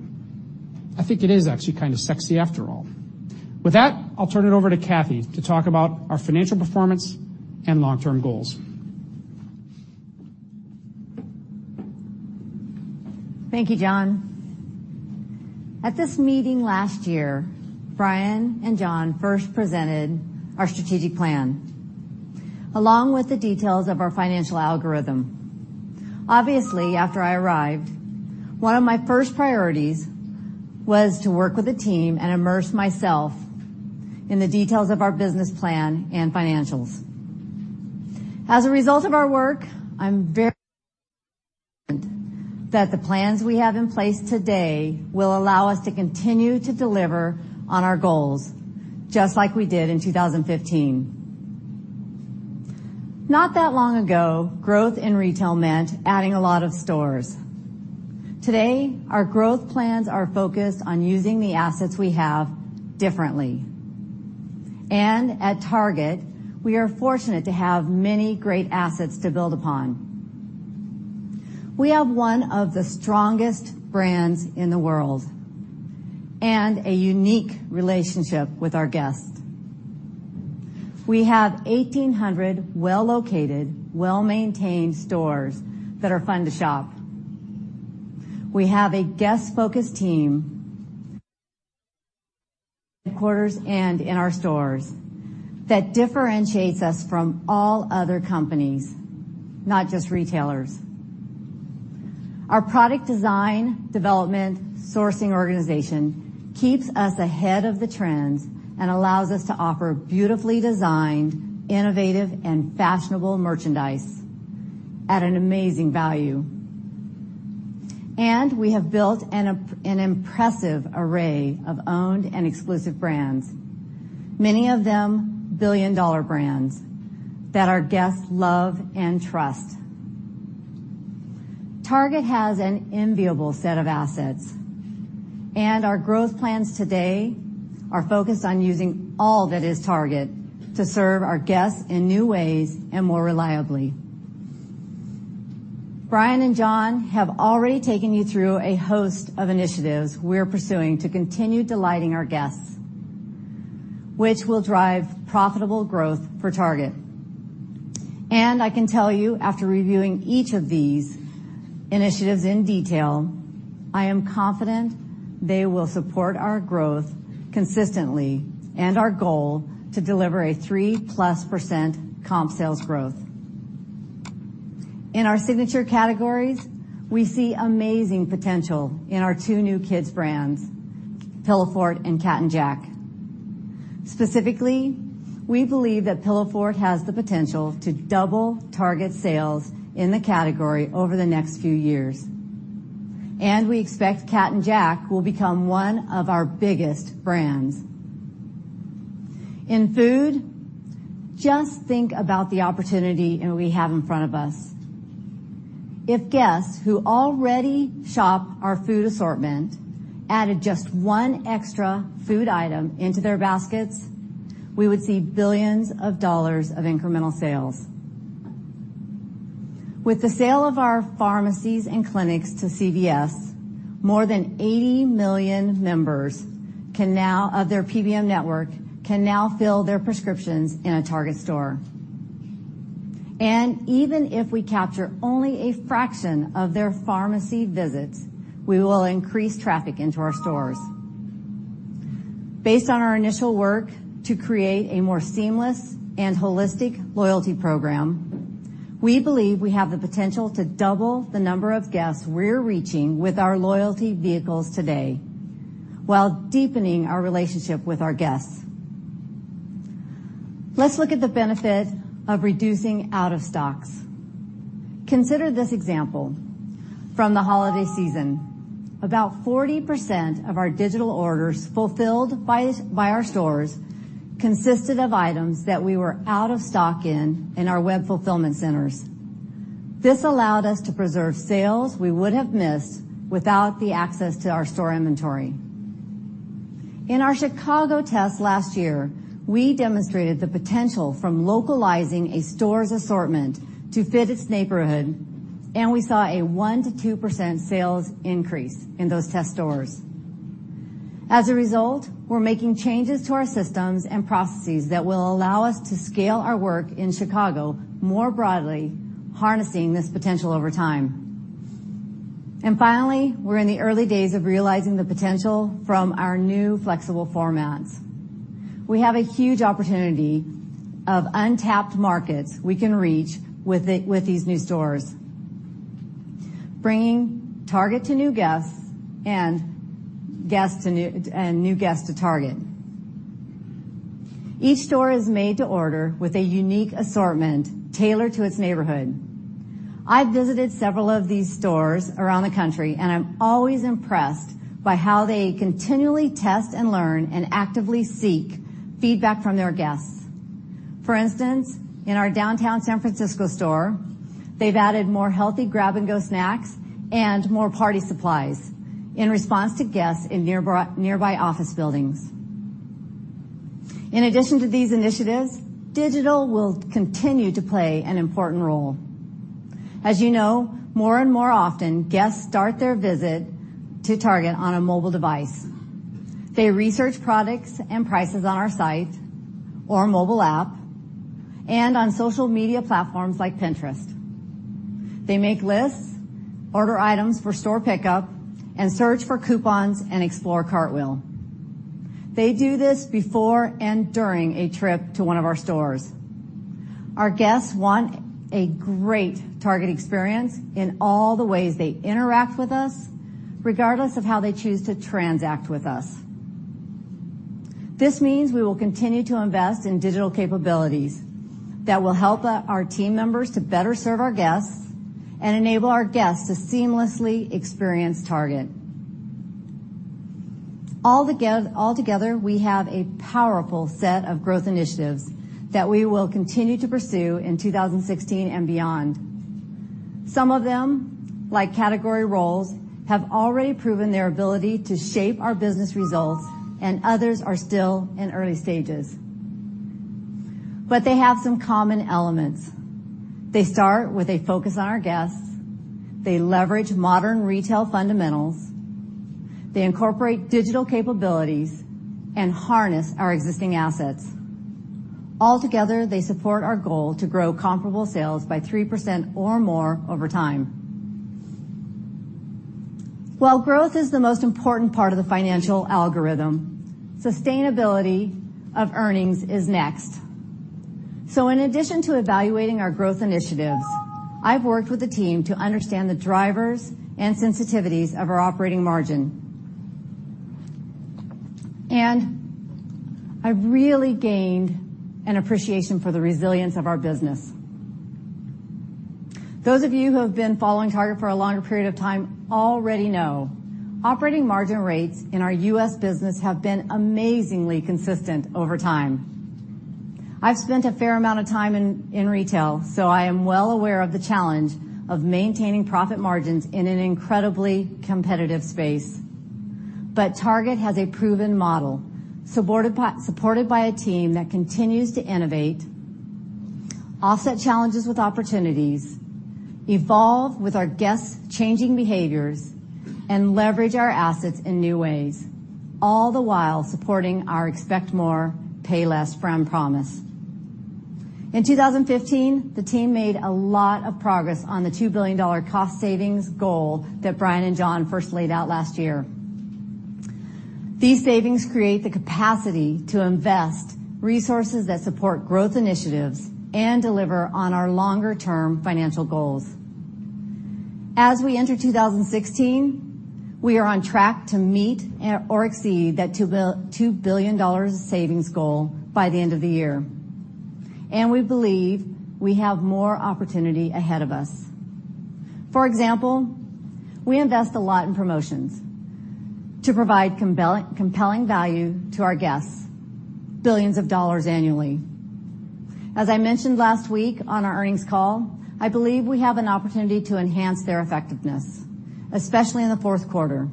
I think it is actually kind of sexy after all. With that, I will turn it over to Cathy to talk about our financial performance and long-term goals. Thank you, John. At this meeting last year, Brian and John first presented our strategic plan, along with the details of our financial algorithm. Obviously, after I arrived, one of my first priorities was to work with the team and immerse myself in the details of our business plan and financials. As a result of our work, that the plans we have in place today will allow us to continue to deliver on our goals, just like we did in 2015. Not that long ago, growth in retail meant adding a lot of stores. Today, our growth plans are focused on using the assets we have differently. At Target, we are fortunate to have many great assets to build upon. We have one of the strongest brands in the world and a unique relationship with our Guests. We have 1,800 well-located, well-maintained stores that are fun to shop. We have a Guest-focused team Headquarters and in our stores that differentiates us from all other companies, not just retailers. Our product design, development, sourcing organization keeps us ahead of the trends and allows us to offer beautifully designed, innovative, and fashionable merchandise at an amazing value. We have built an impressive array of owned and exclusive brands, many of them billion-dollar brands that our Guests love and trust. Target has an enviable set of assets. Our growth plans today are focused on using all that is Target to serve our Guests in new ways and more reliably. Brian and John have already taken you through a host of initiatives we are pursuing to continue delighting our Guests, which will drive profitable growth for Target. I can tell you, after reviewing each of these initiatives in detail, I am confident they will support our growth consistently and our goal to deliver a 3%+ comp sales growth. In our signature categories, we see amazing potential in our two new kids brands, Pillowfort and Cat & Jack. Specifically, we believe that Pillowfort has the potential to double Target sales in the category over the next few years. We expect Cat & Jack will become one of our biggest brands. In food, just think about the opportunity we have in front of us. If guests who already shop our food assortment added just one extra food item into their baskets, we would see billions of dollars of incremental sales. With the sale of our pharmacies and clinics to CVS, more than 80 million members of their PBM network can now fill their prescriptions in a Target store. Even if we capture only a fraction of their pharmacy visits, we will increase traffic into our stores. Based on our initial work to create a more seamless and holistic loyalty program, we believe we have the potential to double the number of guests we're reaching with our loyalty vehicles today, while deepening our relationship with our guests. Let's look at the benefit of reducing out of stocks. Consider this example from the holiday season. About 40% of our digital orders fulfilled by our stores consisted of items that we were out of stock in in our web fulfillment centers. This allowed us to preserve sales we would have missed without the access to our store inventory. In our Chicago test last year, we demonstrated the potential from localizing a store's assortment to fit its neighborhood, we saw a 1%-2% sales increase in those test stores. As a result, we're making changes to our systems and processes that will allow us to scale our work in Chicago more broadly, harnessing this potential over time. Finally, we're in the early days of realizing the potential from our new flexible formats. We have a huge opportunity of untapped markets we can reach with these new stores, bringing Target to new guests and new guests to Target. Each store is made to order with a unique assortment tailored to its neighborhood. I've visited several of these stores around the country, and I'm always impressed by how they continually test and learn and actively seek feedback from their guests. For instance, in our downtown San Francisco store, they've added more healthy grab-and-go snacks and more party supplies in response to guests in nearby office buildings. In addition to these initiatives, digital will continue to play an important role. As you know, more and more often, guests start their visit to Target on a mobile device. They research products and prices on our site or mobile app and on social media platforms like Pinterest. They make lists, order items for store pickup, search for coupons and explore Cartwheel. They do this before and during a trip to one of our stores. Our guests want a great Target experience in all the ways they interact with us, regardless of how they choose to transact with us. This means we will continue to invest in digital capabilities that will help our team members to better serve our guests and enable our guests to seamlessly experience Target. All together, we have a powerful set of growth initiatives that we will continue to pursue in 2016 and beyond. Some of them, like category roles, have already proven their ability to shape our business results, and others are still in early stages. They have some common elements. They start with a focus on our guests. They leverage modern retail fundamentals. They incorporate digital capabilities and harness our existing assets. All together, they support our goal to grow comparable sales by 3% or more over time. While growth is the most important part of the financial algorithm, sustainability of earnings is next. In addition to evaluating our growth initiatives, I've worked with the team to understand the drivers and sensitivities of our operating margin. I've really gained an appreciation for the resilience of our business. Those of you who have been following Target for a longer period of time already know operating margin rates in our U.S. business have been amazingly consistent over time. I've spent a fair amount of time in retail, so I am well aware of the challenge of maintaining profit margins in an incredibly competitive space. Target has a proven model supported by a team that continues to innovate, offset challenges with opportunities, evolve with our guests' changing behaviors, and leverage our assets in new ways, all the while supporting our Expect More, Pay Less brand promise. In 2015, the team made a lot of progress on the $2 billion cost savings goal that Brian and John first laid out last year. These savings create the capacity to invest resources that support growth initiatives and deliver on our longer-term financial goals. As we enter 2016, we are on track to meet or exceed that $2 billion savings goal by the end of the year, and we believe we have more opportunity ahead of us. For example, we invest a lot in promotions to provide compelling value to our guests, billions of dollars annually. As I mentioned last week on our earnings call, I believe we have an opportunity to enhance their effectiveness, especially in the fourth quarter.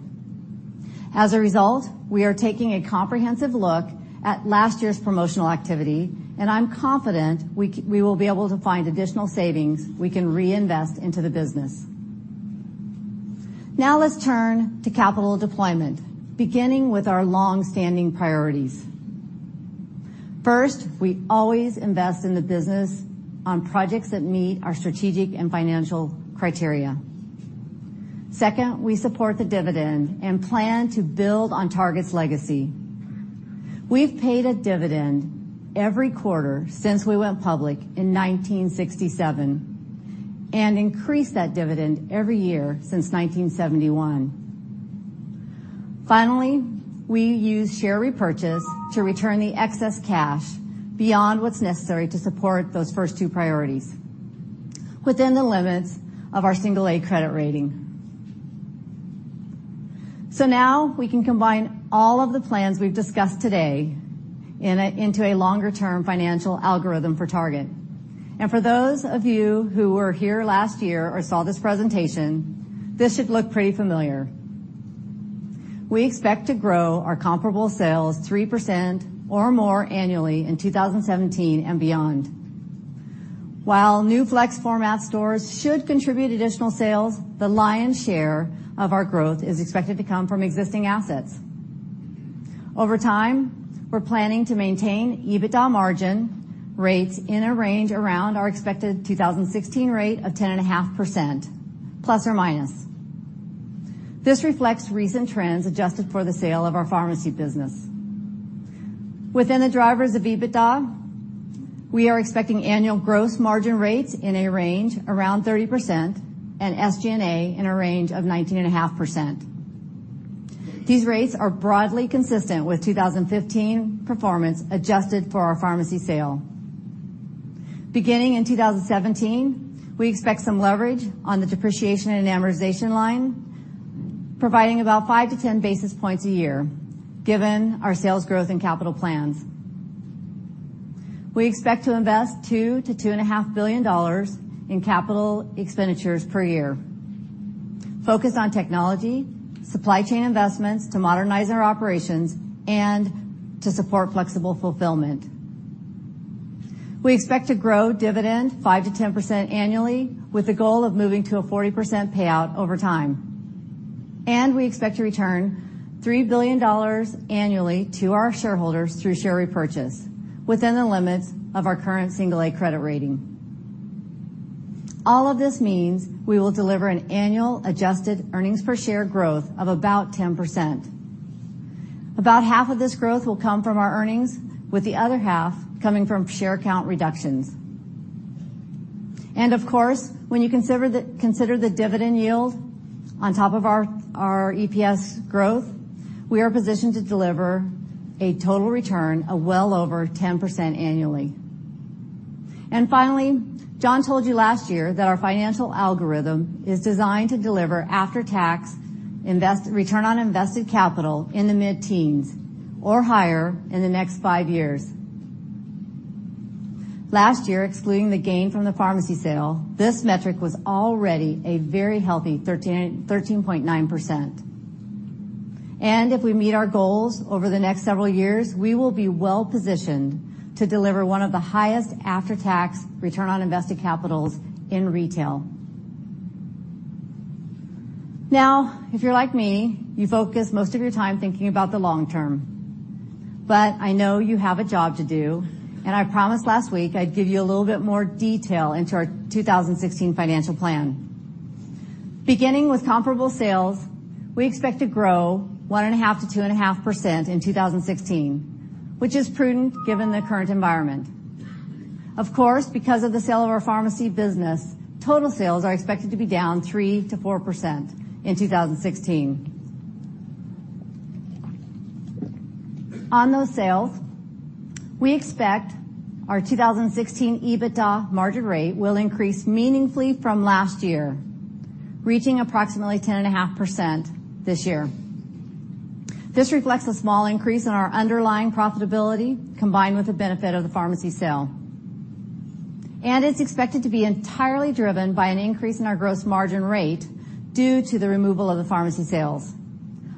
As a result, we are taking a comprehensive look at last year's promotional activity, and I'm confident we will be able to find additional savings we can reinvest into the business. Now let's turn to capital deployment, beginning with our longstanding priorities. First, we always invest in the business on projects that meet our strategic and financial criteria. Second, we support the dividend and plan to build on Target's legacy. We've paid a dividend every quarter since we went public in 1967 and increased that dividend every year since 1971. Finally, we use share repurchase to return the excess cash beyond what's necessary to support those first two priorities within the limits of our single A credit rating. Now we can combine all of the plans we've discussed today into a longer-term financial algorithm for Target. For those of you who were here last year or saw this presentation, this should look pretty familiar. We expect to grow our comparable sales 3% or more annually in 2017 and beyond. While new flex format stores should contribute additional sales, the lion's share of our growth is expected to come from existing assets. Over time, we're planning to maintain EBITDA margin rates in a range around our expected 2016 rate of 10.5%, plus or minus. This reflects recent trends adjusted for the sale of our pharmacy business. Within the drivers of EBITDA, we are expecting annual gross margin rates in a range around 30% and SG&A in a range of 19.5%. These rates are broadly consistent with 2015 performance, adjusted for our pharmacy sale. Beginning in 2017, we expect some leverage on the depreciation and amortization line, providing about five to 10 basis points a year given our sales growth and capital plans. We expect to invest $2 billion-$2.5 billion in capital expenditures per year, focused on technology, supply chain investments to modernize our operations, and to support flexible fulfillment. We expect to grow dividend 5%-10% annually, with the goal of moving to a 40% payout over time. We expect to return $3 billion annually to our shareholders through share repurchase within the limits of our current single A credit rating. All of this means we will deliver an annual adjusted EPS growth of about 10%. About half of this growth will come from our earnings, with the other half coming from share count reductions. Of course, when you consider the dividend yield on top of our EPS growth, we are positioned to deliver a total return of well over 10% annually. Finally, John told you last year that our financial algorithm is designed to deliver after-tax return on invested capital in the mid-teens or higher in the next five years. Last year, excluding the gain from the pharmacy sale, this metric was already a very healthy 13.9%. If we meet our goals over the next several years, we will be well-positioned to deliver one of the highest after-tax return on invested capital in retail. If you're like me, you focus most of your time thinking about the long term. I know you have a job to do, and I promised last week I'd give you a little bit more detail into our 2016 financial plan. Beginning with comparable sales, we expect to grow 1.5%-2.5% in 2016, which is prudent given the current environment. Of course, because of the sale of our pharmacy business, total sales are expected to be down 3%-4% in 2016. On those sales, we expect our 2016 EBITDA margin rate will increase meaningfully from last year, reaching approximately 10.5% this year. This reflects a small increase in our underlying profitability, combined with the benefit of the pharmacy sale. It's expected to be entirely driven by an increase in our gross margin rate due to the removal of the pharmacy sales.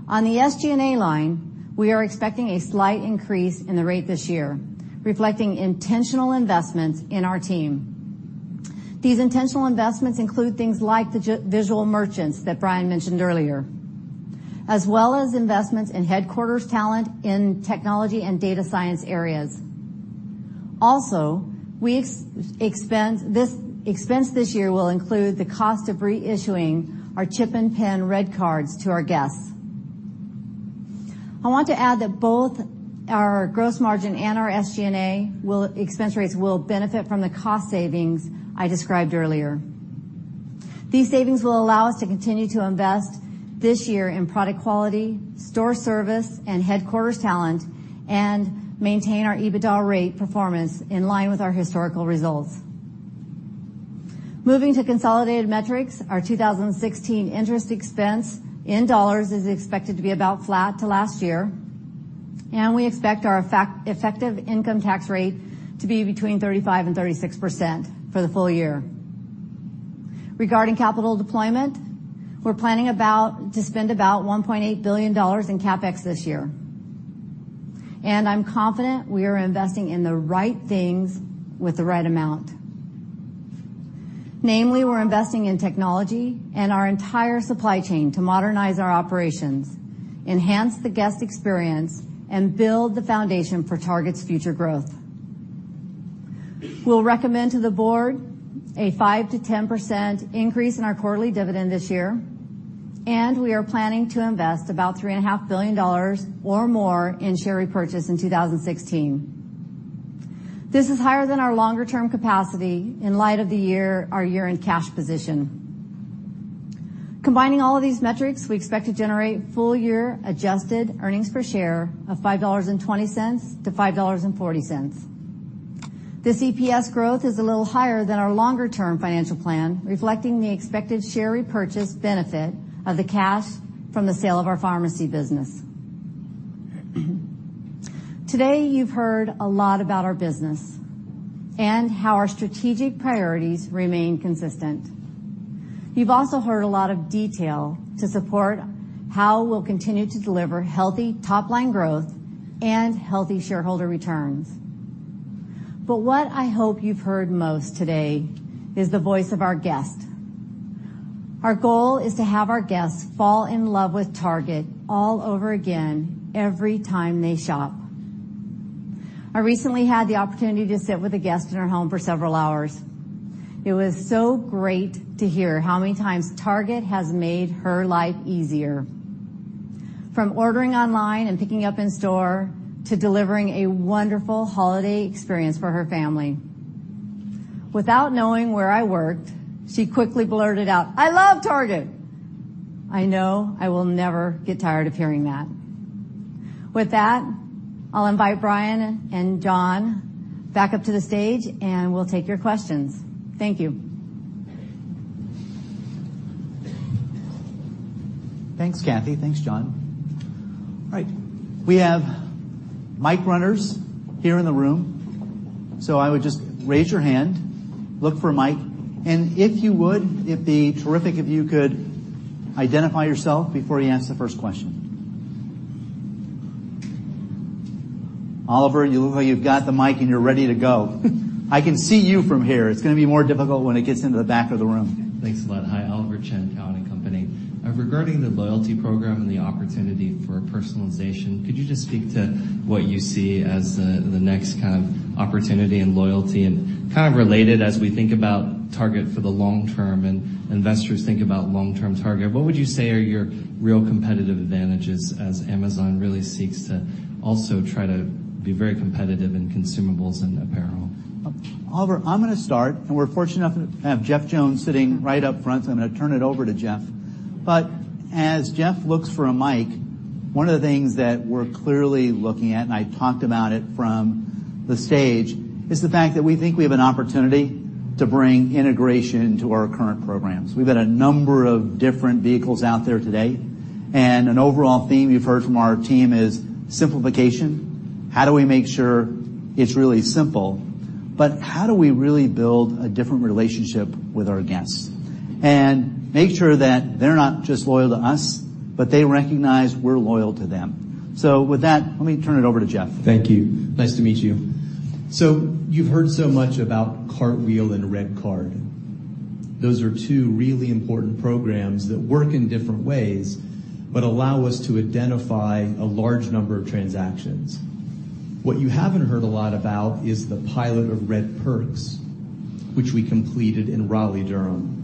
On the SG&A line, we are expecting a slight increase in the rate this year, reflecting intentional investments in our team. These intentional investments include things like the visual merchants that Brian mentioned earlier, as well as investments in headquarters talent in technology and data science areas. Expense this year will include the cost of reissuing our chip-and-PIN RedCards to our guests. I want to add that both our gross margin and our SG&A expense rates will benefit from the cost savings I described earlier. These savings will allow us to continue to invest this year in product quality, store service, and headquarters talent, and maintain our EBITDA rate performance in line with our historical results. Moving to consolidated metrics, our 2016 interest expense in dollars is expected to be about flat to last year, and we expect our effective income tax rate to be between 35% and 36% for the full year. Regarding capital deployment, we're planning to spend about $1.8 billion in CapEx this year. I'm confident we are investing in the right things with the right amount. Namely, we're investing in technology and our entire supply chain to modernize our operations, enhance the guest experience, and build the foundation for Target's future growth. We'll recommend to the board a 5%-10% increase in our quarterly dividend this year, and we are planning to invest about $3.5 billion or more in share repurchase in 2016. This is higher than our longer-term capacity in light of our year-end cash position. Combining all of these metrics, we expect to generate full-year adjusted earnings per share of $5.20-$5.40. This EPS growth is a little higher than our longer-term financial plan, reflecting the expected share repurchase benefit of the cash from the sale of our pharmacy business. Today, you've heard a lot about our business and how our strategic priorities remain consistent. You've also heard a lot of detail to support how we'll continue to deliver healthy top-line growth and healthy shareholder returns. What I hope you've heard most today is the voice of our guests. Our goal is to have our guests fall in love with Target all over again, every time they shop. I recently had the opportunity to sit with a guest in her home for several hours. It was so great to hear how many times Target has made her life easier, from ordering online and picking up in store to delivering a wonderful holiday experience for her family. Without knowing where I worked, she quickly blurted out, "I love Target." I know I will never get tired of hearing that. With that, I'll invite Brian and John back up to the stage, we'll take your questions. Thank you. Thanks, Cathy. Thanks, John. All right. We have mic runners here in the room. I would just raise your hand, look for a mic, if you would, it'd be terrific if you could identify yourself before you ask the first question. Oliver, you look like you've got the mic and you're ready to go. I can see you from here. It's gonna be more difficult when it gets into the back of the room. Thanks a lot. Hi. Oliver Chen, Cowen and Company. Regarding the loyalty program and the opportunity for personalization, could you just speak to what you see as the next kind of opportunity in loyalty? Kind of related, as we think about Target for the long term and investors think about long-term Target, what would you say are your real competitive advantages as Amazon really seeks to also try to be very competitive in consumables and apparel? Oliver, I'm gonna start, and we're fortunate enough to have Jeff Jones sitting right up front, so I'm gonna turn it over to Jeff. As Jeff looks for a mic, one of the things that we're clearly looking at, and I talked about it from the stage, is the fact that we think we have an opportunity to bring integration into our current programs. We've got a number of different vehicles out there today, and an overall theme you've heard from our team is simplification. How do we make sure it's really simple? How do we really build a different relationship with our guests and make sure that they're not just loyal to us, but they recognize we're loyal to them? With that, let me turn it over to Jeff. Thank you. Nice to meet you. You've heard so much about Cartwheel and RedCard. Those are two really important programs that work in different ways, but allow us to identify a large number of transactions. What you haven't heard a lot about is the pilot of Red Perks, which we completed in Raleigh, Durham.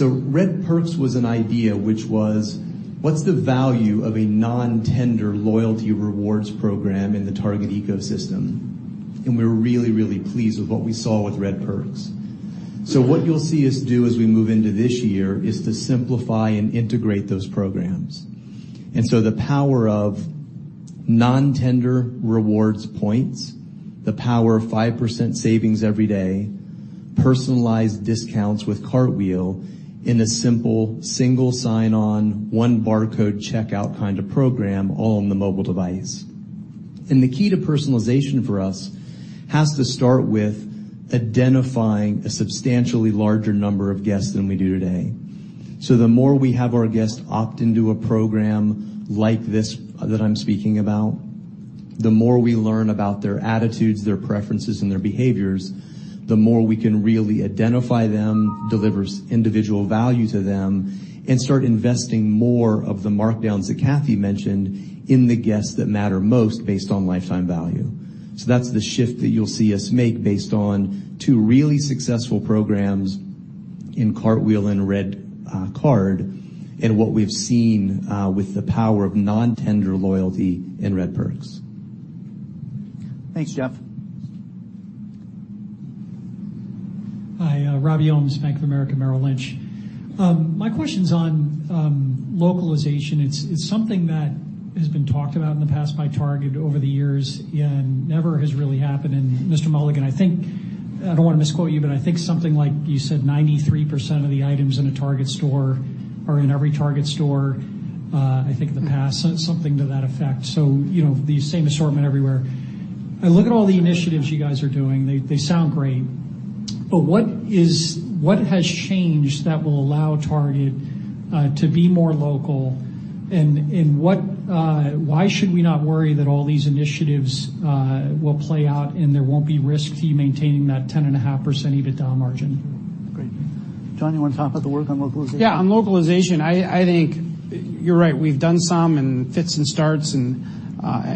Red Perks was an idea, which was, what's the value of a non-tender loyalty rewards program in the Target ecosystem? We're really pleased with what we saw with Red Perks. What you'll see us do as we move into this year is to simplify and integrate those programs. The power of non-tender rewards points, the power of 5% savings every day, personalized discounts with Cartwheel in a simple single sign-on, one barcode checkout kind of program all on the mobile device. The key to personalization for us has to start with identifying a substantially larger number of guests than we do today. The more we have our guests opt into a program like this, that I'm speaking about, the more we learn about their attitudes, their preferences, and their behaviors, the more we can really identify them, deliver individual value to them, and start investing more of the markdowns that Cathy mentioned in the guests that matter most based on lifetime value. That's the shift that you'll see us make based on two really successful programs in Cartwheel and RedCard and what we've seen with the power of non-tender loyalty in Red Perks. Thanks, Jeff. Hi, Rob Yeoms, Bank of America, Merrill Lynch. My question's on localization. It's something that has been talked about in the past by Target over the years and never has really happened. Mr. Mulligan, I don't want to misquote you, but I think something like you said 93% of the items in a Target store are in every Target store, I think in the past. Something to that effect. The same assortment everywhere. I look at all the initiatives you guys are doing. They sound great. What has changed that will allow Target to be more local and why should we not worry that all these initiatives will play out and there won't be risk to you maintaining that 10.5% EBITDA margin? Great. John, you want to talk about the work on localization? Yeah. On localization, I think you're right. We've done some in fits and starts,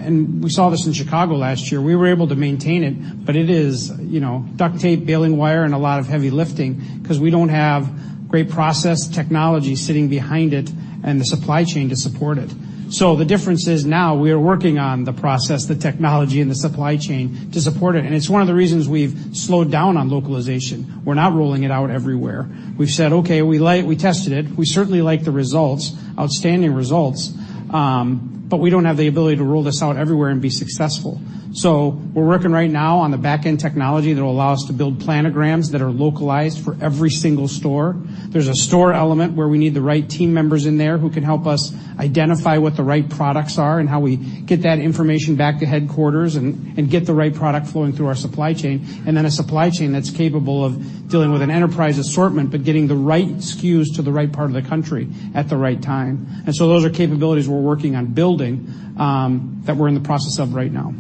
we saw this in Chicago last year. We were able to maintain it, but it is duct tape, baling wire, and a lot of heavy lifting because we don't have great process technology sitting behind it and the supply chain to support it. The difference is now we are working on the process, the technology, and the supply chain to support it's one of the reasons we've slowed down on localization. We're not rolling it out everywhere. We've said, "Okay, we tested it. We certainly like the results, outstanding results. We don't have the ability to roll this out everywhere and be successful." We're working right now on the back-end technology that will allow us to build planograms that are localized for every single store. There's a store element where we need the right team members in there who can help us identify what the right products are and how we get that information back to headquarters and get the right product flowing through our supply chain, then a supply chain that's capable of dealing with an enterprise assortment, but getting the right SKUs to the right part of the country at the right time. Those are capabilities we're working on building that we're in the process of right now.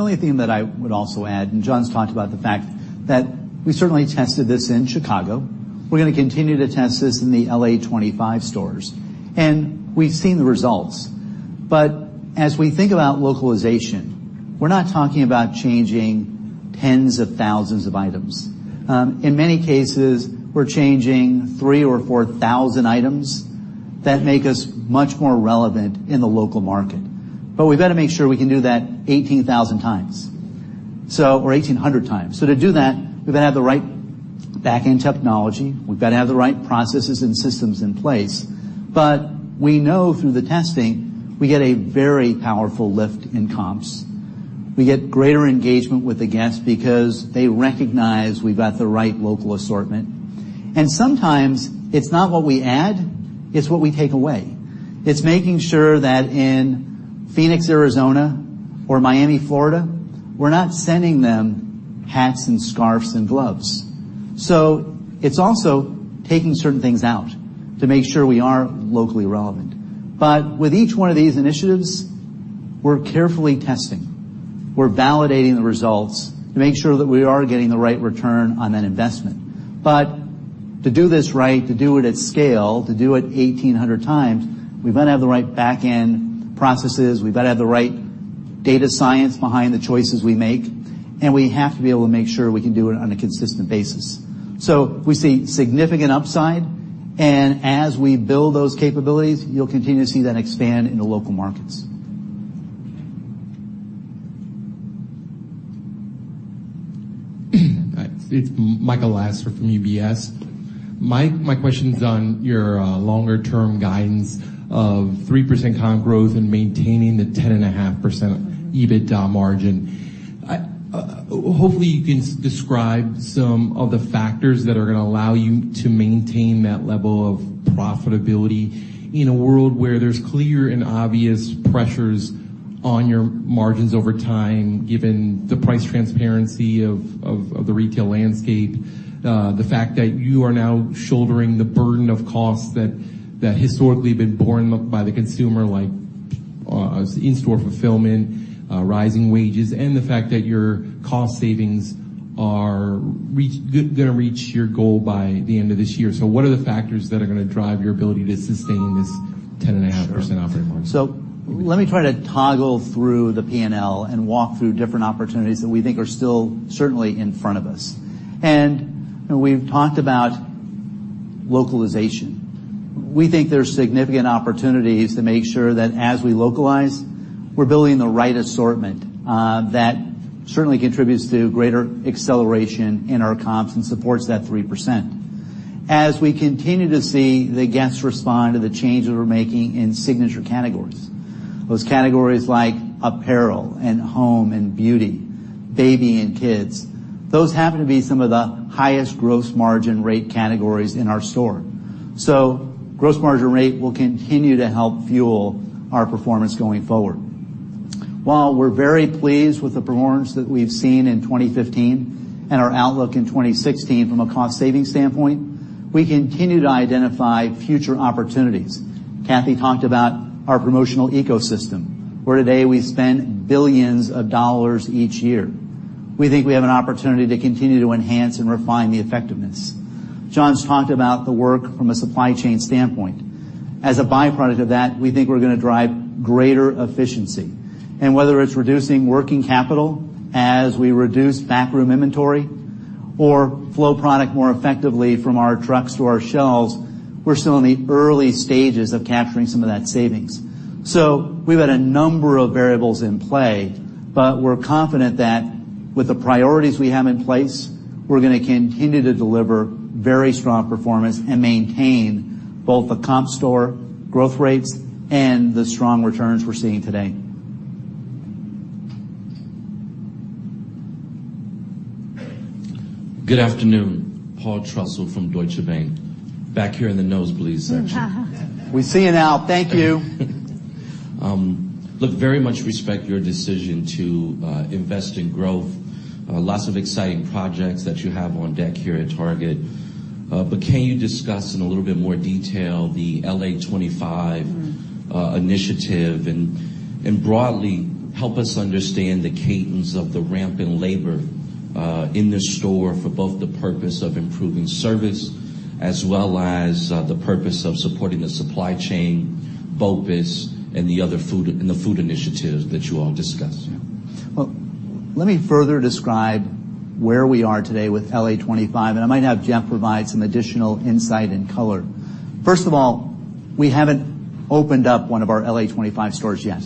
The only thing that I would also add, John's talked about the fact that we certainly tested this in Chicago. We're going to continue to test this in the L.A. 25 stores. We've seen the results. As we think about localization, we're not talking about changing tens of thousands of items. In many cases, we're changing 3,000 or 4,000 items that make us much more relevant in the local market. We've got to make sure we can do that 18,000 times. Or 1,800 times. To do that, we've got to have the right back-end technology, we've got to have the right processes and systems in place. We know through the testing, we get a very powerful lift in comps. We get greater engagement with the guest because they recognize we've got the right local assortment. Sometimes it's not what we add, it's what we take away. It's making sure that in Phoenix, Arizona, or Miami, Florida, we're not sending them hats and scarves and gloves. It's also taking certain things out to make sure we are locally relevant. With each one of these initiatives, we're carefully testing. We're validating the results to make sure that we are getting the right return on that investment. To do this right, to do it at scale, to do it 1,800 times, we've got to have the right back-end processes, we've got to have the right data science behind the choices we make, and we have to be able to make sure we can do it on a consistent basis. We see significant upside, as we build those capabilities, you'll continue to see that expand into local markets. It's Michael Lasser from UBS. Mike, my question's on your longer-term guidance of 3% comp growth and maintaining the 10.5% EBITDA margin. Hopefully, you can describe some of the factors that are going to allow you to maintain that level of profitability in a world where there's clear and obvious pressures on your margins over time, given the price transparency of the retail landscape, the fact that you are now shouldering the burden of costs that historically have been borne by the consumer like in-store fulfillment, rising wages, and the fact that your cost savings are going to reach your goal by the end of this year. What are the factors that are going to drive your ability to sustain this 10.5% operating margin? Let me try to toggle through the P&L and walk through different opportunities that we think are still certainly in front of us. We've talked about localization. We think there's significant opportunities to make sure that as we localize, we're building the right assortment, that certainly contributes to greater acceleration in our comps and supports that 3%. As we continue to see the guests respond to the changes we're making in signature categories, those categories like apparel and home and beauty, baby, and kids. Those happen to be some of the highest gross margin rate categories in our store. Gross margin rate will continue to help fuel our performance going forward. While we're very pleased with the performance that we've seen in 2015 and our outlook in 2016 from a cost-saving standpoint, we continue to identify future opportunities. Cathy talked about our promotional ecosystem, where today we spend billions of dollars each year. We think we have an opportunity to continue to enhance and refine the effectiveness. John's talked about the work from a supply chain standpoint. As a byproduct of that, we think we're going to drive greater efficiency. Whether it's reducing working capital as we reduce backroom inventory or flow product more effectively from our trucks to our shelves, we're still in the early stages of capturing some of that savings. We've had a number of variables in play, but we're confident that with the priorities we have in place, we're going to continue to deliver very strong performance and maintain both the comp store growth rates and the strong returns we're seeing today. Good afternoon. Paul Trussell from Deutsche Bank. Back here in the nosebleeds section. We see you now. Thank you. Look, very much respect your decision to invest in growth. Lots of exciting projects that you have on deck here at Target. Can you discuss in a little bit more detail the LA25 initiative, and broadly help us understand the cadence of the ramp in labor, in the store for both the purpose of improving service as well as the purpose of supporting the supply chain, BOPIS, and the food initiatives that you all discussed? Let me further describe where we are today with LA25, and I might have Jeff provide some additional insight and color. First of all, we haven't opened up one of our LA25 stores yet.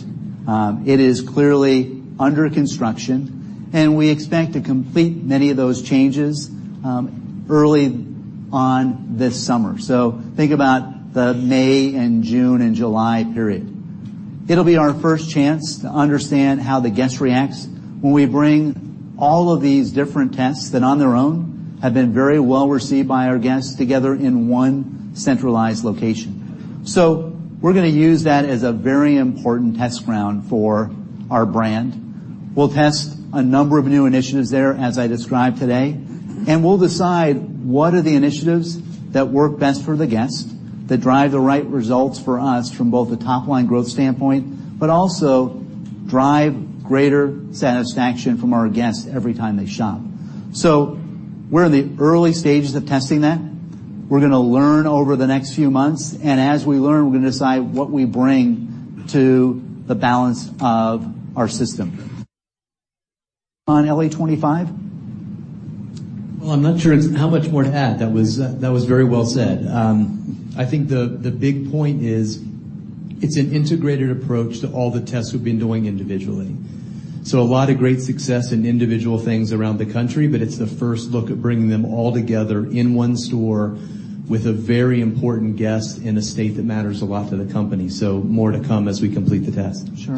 It is clearly under construction, and we expect to complete many of those changes early on this summer. Think about the May and June and July period. It'll be our first chance to understand how the guest reacts when we bring all of these different tests that on their own have been very well-received by our guests together in one centralized location. We're going to use that as a very important test ground for our brand. We'll test a number of new initiatives there, as I described today, and we'll decide what are the initiatives that work best for the guest, that drive the right results for us from both the top-line growth standpoint, but also drive greater satisfaction from our guests every time they shop. We're in the early stages of testing that. We're going to learn over the next few months, and as we learn, we're going to decide what we bring to the balance of our system. On LA25? I'm not sure how much more to add. That was very well said. I think the big point is it's an integrated approach to all the tests we've been doing individually. A lot of great success in individual things around the country, but it's the first look at bringing them all together in one store with a very important guest in a state that matters a lot to the company. More to come as we complete the test. Sure.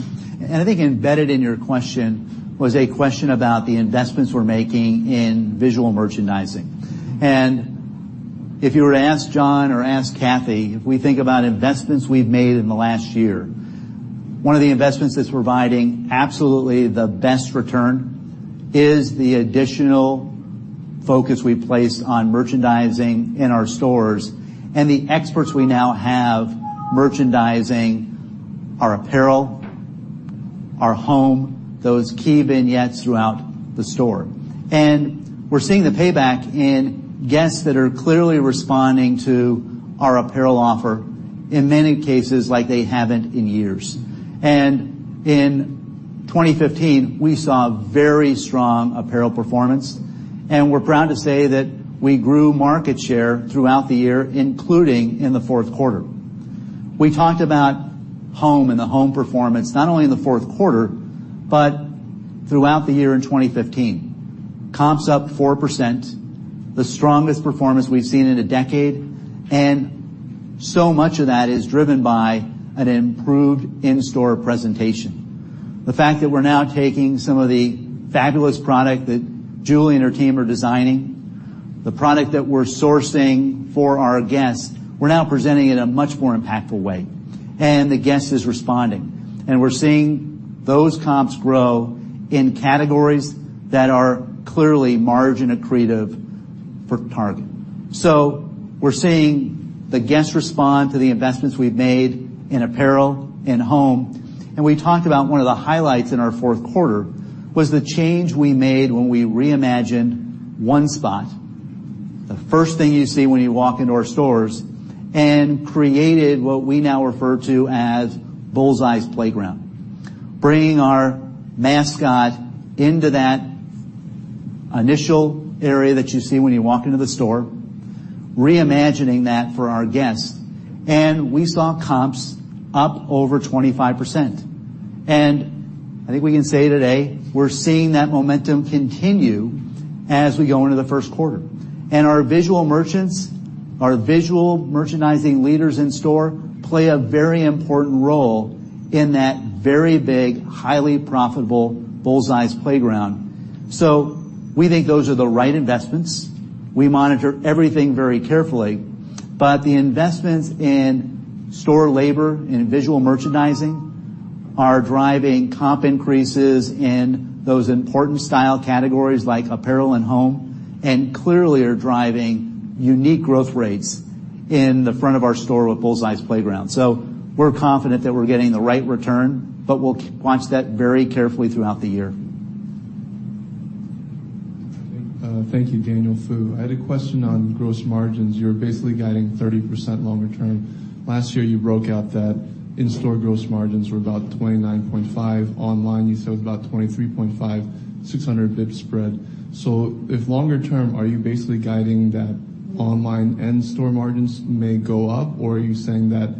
I think embedded in your question was a question about the investments we're making in visual merchandising. If you were to ask John or ask Cathy, if we think about investments we've made in the last year, one of the investments that's providing absolutely the best return is the additional focus we placed on merchandising in our stores and the experts we now have merchandising our apparel, our home, those key vignettes throughout the store. We're seeing the payback in guests that are clearly responding to our apparel offer in many cases like they haven't in years. In 2015, we saw very strong apparel performance, and we're proud to say that we grew market share throughout the year, including in the fourth quarter. We talked about home and the home performance, not only in the fourth quarter but throughout the year in 2015. Comps up 4%, the strongest performance we've seen in a decade, and so much of that is driven by an improved in-store presentation. The fact that we're now taking some of the fabulous product that Julie and her team are designing, the product that we're sourcing for our guests, we're now presenting it in a much more impactful way. The guest is responding. We're seeing those comps grow in categories that are clearly margin accretive for Target. We're seeing the guests respond to the investments we've made in apparel and home. We talked about one of the highlights in our fourth quarter was the change we made when we reimagined The One Spot, the first thing you see when you walk into our stores, and created what we now refer to as Bullseye's Playground, bringing our mascot into that initial area that you see when you walk into the store, reimagining that for our guests. We saw comps up over 25%. I think we can say today, we're seeing that momentum continue as we go into the first quarter. Our visual merchants, our visual merchandising leaders in store, play a very important role in that very big, highly profitable Bullseye's Playground. We think those are the right investments. We monitor everything very carefully. The investments in store labor and visual merchandising are driving comp increases in those important style categories like apparel and home, clearly are driving unique growth rates in the front of our store with Bullseye's Playground. We're confident that we're getting the right return, but we'll watch that very carefully throughout the year. Thank you, Daniel Fu. I had a question on gross margins. You're basically guiding 30% longer term. Last year, you broke out that in-store gross margins were about 29.5%. Online, you said was about 23.5%, 600 basis points spread. If longer term, are you basically guiding that online and store margins may go up, or are you saying that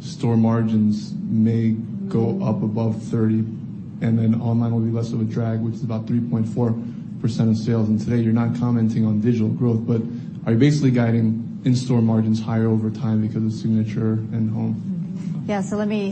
store margins may go up above 30%, and then online will be less of a drag, which is about 3.4% of sales. Today you're not commenting on digital growth, but are you basically guiding in-store margins higher over time because of Signature and Home? Yes. Let me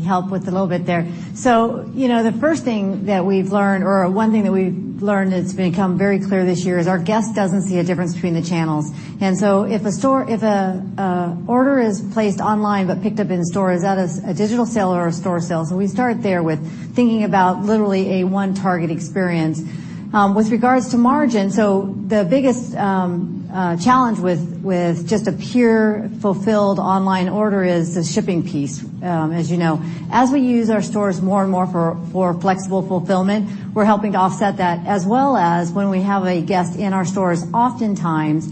help with a little bit there. The first thing that we've learned, or one thing that we've learned that's become very clear this year is our guest doesn't see a difference between the channels. If an order is placed online but picked up in store, is that a digital sale or a store sale? We start there with thinking about literally a One Target experience. With regards to margin, the biggest challenge with just a pure fulfilled online order is the shipping piece, as you know. As we use our stores more and more for flexible fulfillment, we're helping to offset that, as well as when we have a guest in our stores, oftentimes,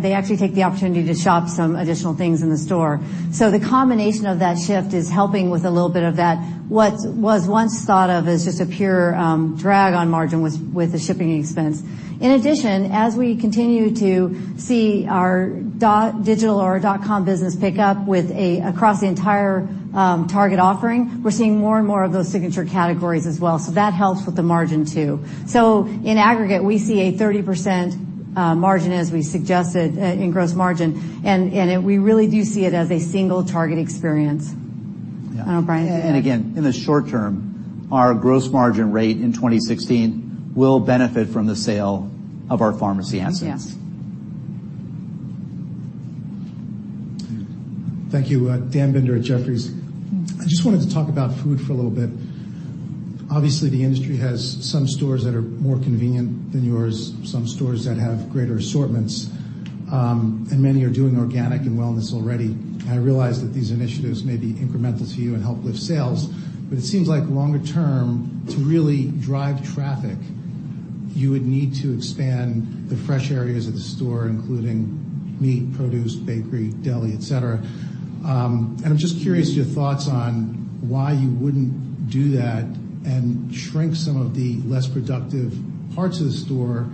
they actually take the opportunity to shop some additional things in the store. The combination of that shift is helping with a little bit of that, what was once thought of as just a pure drag on margin with the shipping expense. In addition, as we continue to see our digital or our .com business pick up with across the entire Target offering, we're seeing more and more of those Signature categories as well. That helps with the margin too. In aggregate, we see a 30% margin as we suggested in gross margin, and we really do see it as a single Target experience. Brian? Again, in the short term, our gross margin rate in 2016 will benefit from the sale of our pharmacy assets. Yes. Thank you. Dan Binder at Jefferies. I just wanted to talk about food for a little bit. Obviously, the industry has some stores that are more convenient than yours, some stores that have greater assortments, and many are doing organic and wellness already. I realize that these initiatives may be incremental to you and help lift sales, it seems like longer term, to really drive traffic, you would need to expand the fresh areas of the store, including meat, produce, bakery, deli, et cetera. I'm just curious your thoughts on why you wouldn't do that and shrink some of the less productive parts of the store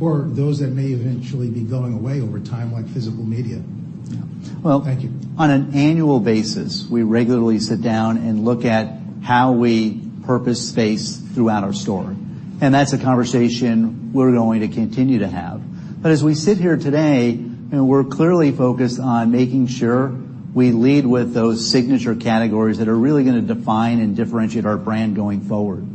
or those that may eventually be going away over time, like physical media. Well- Thank you On an annual basis, we regularly sit down and look at how we purpose space throughout our store. That's a conversation we're going to continue to have. As we sit here today, we're clearly focused on making sure we lead with those signature categories that are really going to define and differentiate our brand going forward.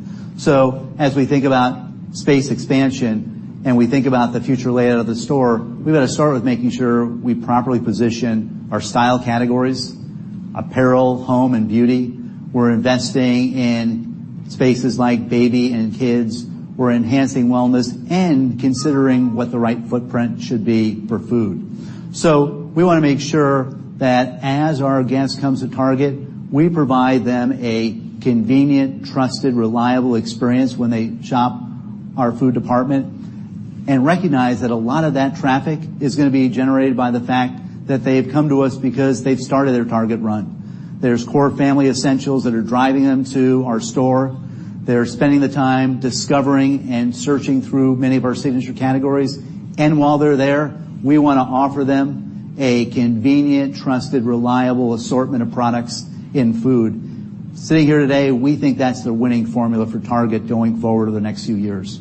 As we think about space expansion and we think about the future layout of the store, we've got to start with making sure we properly position our style categories, apparel, home, and beauty. We're investing in spaces like baby and kids. We're enhancing wellness and considering what the right footprint should be for food. We want to make sure that as our guest comes to Target, we provide them a convenient, trusted, reliable experience when they shop our food department and recognize that a lot of that traffic is going to be generated by the fact that they have come to us because they've started their Target run. There's core family essentials that are driving them to our store. They're spending the time discovering and searching through many of our Signature categories. While they're there, we want to offer them a convenient, trusted, reliable assortment of products in food. Sitting here today, we think that's the winning formula for Target going forward over the next few years.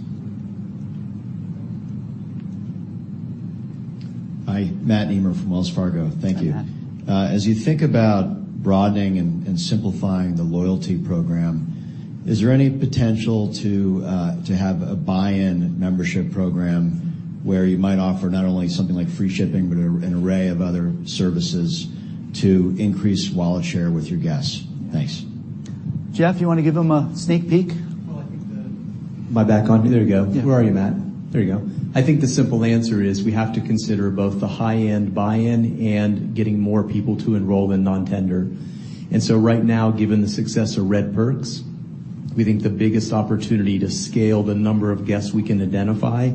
Hi, Matt Nemer from Wells Fargo. Thank you. Hi, Matt. As you think about broadening and simplifying the loyalty program, is there any potential to have a buy-in membership program where you might offer not only something like free shipping, but an array of other services to increase wallet share with your guests? Thanks. Jeff, you want to give them a sneak peek? Well, I think am I back on? There we go. Yeah. Where are you, Matt? There you go. I think the simple answer is we have to consider both the high-end buy-in and getting more people to enroll in non-tender. Right now, given the success of Cartwheel Perks, we think the biggest opportunity to scale the number of guests we can identify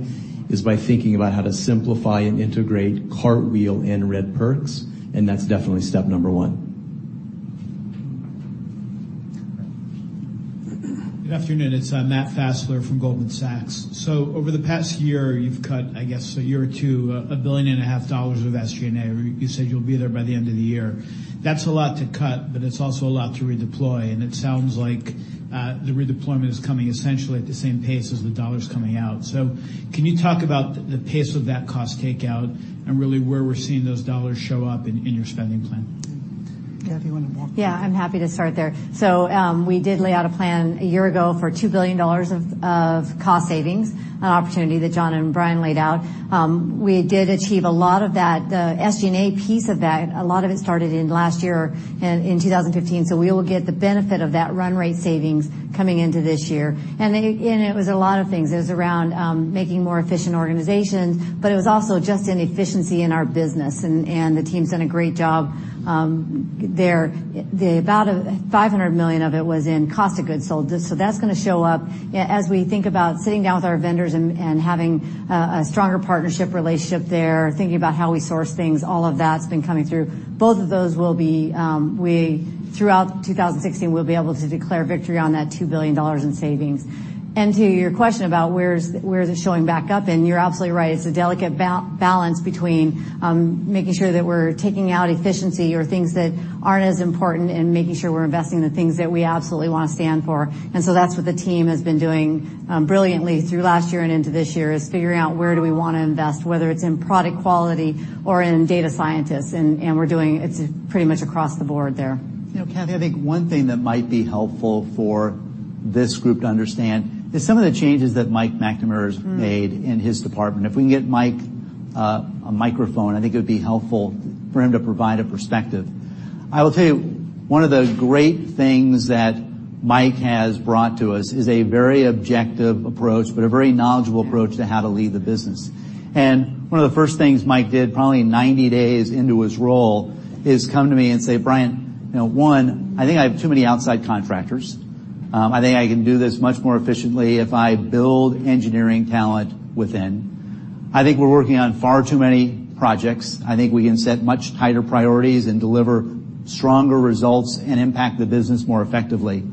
is by thinking about how to simplify and integrate Cartwheel and Cartwheel Perks, and that's definitely step number 1. Good afternoon, it's Matt Fassler from Goldman Sachs. Over the past year, you've cut, I guess, a year or two, a billion and a half dollars of SG&A, where you said you'll be there by the end of the year. That's a lot to cut, but it's also a lot to redeploy, and it sounds like the redeployment is coming essentially at the same pace as the dollars coming out. Can you talk about the pace of that cost takeout and really where we're seeing those dollars show up in your spending plan? Cathy, you want to walk through that? I'm happy to start there. We did lay out a plan a year ago for $2 billion of cost savings, an opportunity that John and Brian laid out. We did achieve a lot of that. The SG&A piece of that, a lot of it started in last year, in 2015. We will get the benefit of that run rate savings coming into this year. It was a lot of things. It was around making more efficient organizations, it was also just in efficiency in our business. The team's done a great job there. About $500 million of it was in cost of goods sold. That's going to show up as we think about sitting down with our vendors and having a stronger partnership relationship there, thinking about how we source things. All of that's been coming through. Both of those throughout 2016, we'll be able to declare victory on that $2 billion in savings. To your question about where is it showing back up in, you're absolutely right. It's a delicate balance between making sure that we're taking out efficiency or things that aren't as important and making sure we're investing in the things that we absolutely want to stand for. That's what the team has been doing brilliantly through last year and into this year, is figuring out where do we want to invest, whether it's in product quality or in data scientists. We're doing it pretty much across the board there. Cathy, I think one thing that might be helpful for this group to understand is some of the changes that Mike McNamara's made in his department. If we can get Mike a microphone, I think it would be helpful for him to provide a perspective. I will tell you, one of the great things that Mike has brought to us is a very objective approach, a very knowledgeable approach to how to lead the business. One of the first things Mike did, probably 90 days into his role, is come to me and say, "Brian, one, I think I have too many outside contractors. I think I can do this much more efficiently if I build engineering talent within. I think we're working on far too many projects. I think we can set much tighter priorities and deliver stronger results and impact the business more effectively."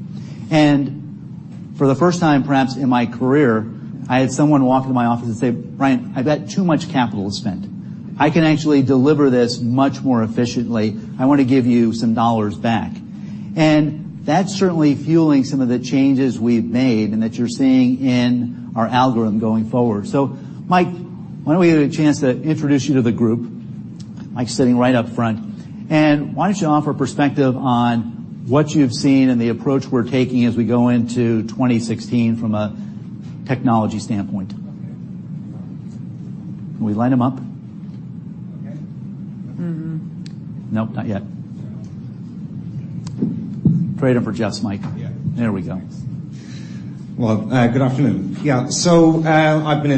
For the first time, perhaps in my career, I had someone walk into my office and say, "Brian, I've got too much capital to spend. I can actually deliver this much more efficiently. I want to give you some dollars back." That's certainly fueling some of the changes we've made and that you're seeing in our algorithm going forward. Mike, why don't we get a chance to introduce you to the group? Mike's sitting right up front. Why don't you offer perspective on what you've seen and the approach we're taking as we go into 2016 from a technology standpoint. Okay. Can we line him up? Okay. Nope, not yet. Trade him for Jeff, Mike. Yeah. There we go. Thanks. Good afternoon. I've been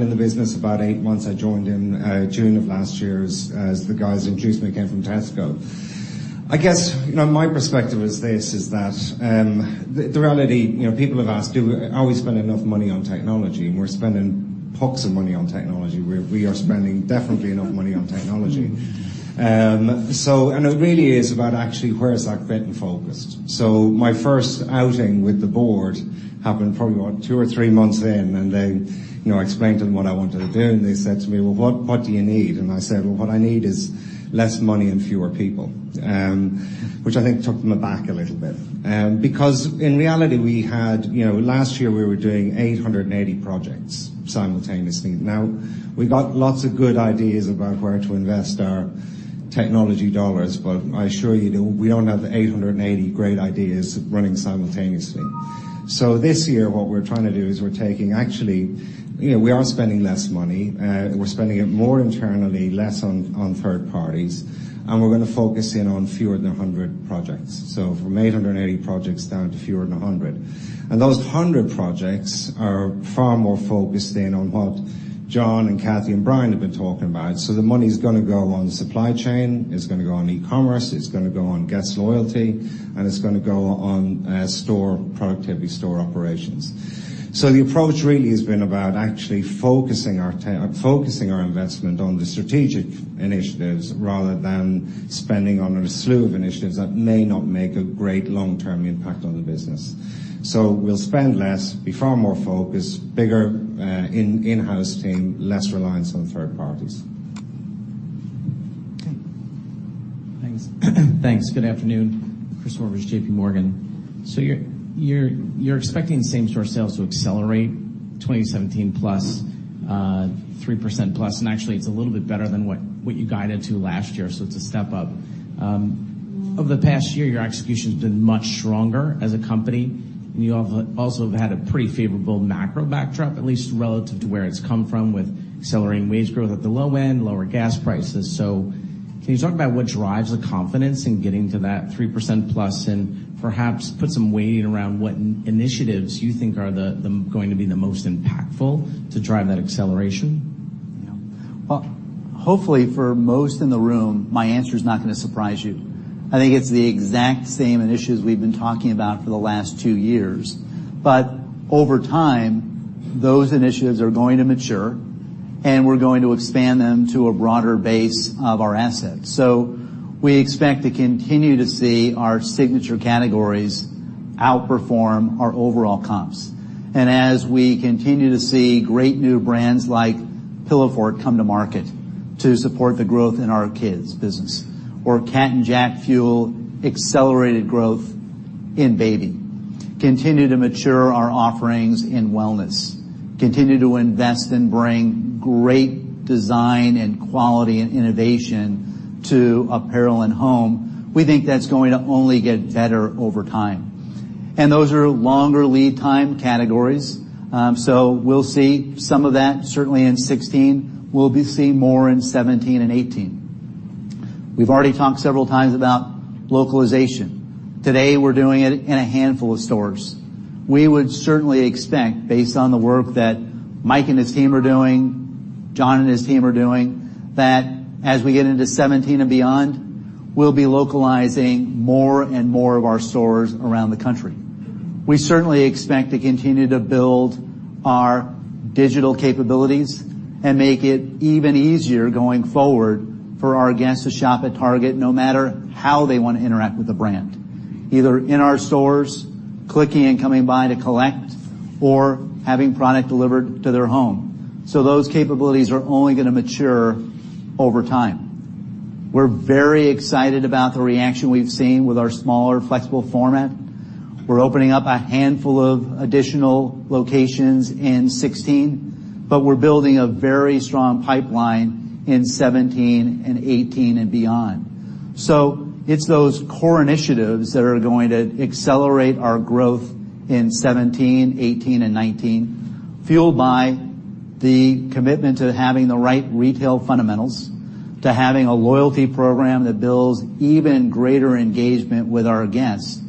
in the business about eight months. I joined in June of last year, as the guys introduced me. I came from Tesco. I guess my perspective is this, is that the reality, people have asked, are we spending enough money on technology? We're spending pots of money on technology. We are spending definitely enough money on technology. It really is about actually where is that being focused. My first outing with the board happened probably about two or three months in, and then I explained to them what I wanted to do, and they said to me, "Well, what do you need?" I said, "Well, what I need is less money and fewer people," which I think took them aback a little bit. Because in reality, last year, we were doing 880 projects simultaneously. We got lots of good ideas about where to invest our technology dollars, but I assure you, we don't have 880 great ideas running simultaneously. This year, what we're trying to do is actually, we are spending less money. We're spending it more internally, less on third parties, and we're going to focus in on fewer than 100 projects. From 880 projects down to fewer than 100. Those 100 projects are far more focused in on what John and Cathy and Brian have been talking about. The money's going to go on supply chain, it's going to go on e-commerce, it's going to go on guest loyalty, and it's going to go on store productivity, store operations. The approach really has been about actually focusing our investment on the strategic initiatives rather than spending on a slew of initiatives that may not make a great long-term impact on the business. We'll spend less, be far more focused, bigger in-house team, less reliance on third parties. Okay. Thanks. Thanks. Good afternoon. Chris Horvers, JPMorgan. You're expecting same-store sales to accelerate 2017 plus 3% plus, and actually, it's a little bit better than what you guided to last year, so it's a step up. Over the past year, your execution's been much stronger as a company, and you also have had a pretty favorable macro backdrop, at least relative to where it's come from with accelerating wage growth at the low end, lower gas prices. Can you talk about what drives the confidence in getting to that 3%+? Perhaps put some weight around what initiatives you think are going to be the most impactful to drive that acceleration? Well, hopefully, for most in the room, my answer's not going to surprise you. I think it's the exact same initiatives we've been talking about for the last two years. Over time, those initiatives are going to mature, and we're going to expand them to a broader base of our assets. We expect to continue to see our signature categories outperform our overall comps. As we continue to see great new brands like Pillowfort come to market to support the growth in our kids business, or Cat & Jack fuel accelerated growth in baby, continue to mature our offerings in wellness, continue to invest and bring great design and quality and innovation to apparel and home. We think that's going to only get better over time. Those are longer lead time categories. We'll see some of that certainly in 2016. We'll be seeing more in 2017 and 2018. We've already talked several times about localization. Today, we're doing it in a handful of stores. We would certainly expect, based on the work that Mike and his team are doing, John and his team are doing, that as we get into 2017 and beyond, we'll be localizing more and more of our stores around the country. We certainly expect to continue to build our digital capabilities and make it even easier going forward for our guests to shop at Target, no matter how they want to interact with the brand, either in our stores, clicking and coming by to collect, or having product delivered to their home. Those capabilities are only going to mature over time. We're very excited about the reaction we've seen with our smaller, flexible format. We're opening up a handful of additional locations in 2016, we're building a very strong pipeline in 2017 and 2018 and beyond. It's those core initiatives that are going to accelerate our growth in 2017, 2018, and 2019, fueled by the commitment to having the right retail fundamentals, to having a loyalty program that builds even greater engagement with our guests.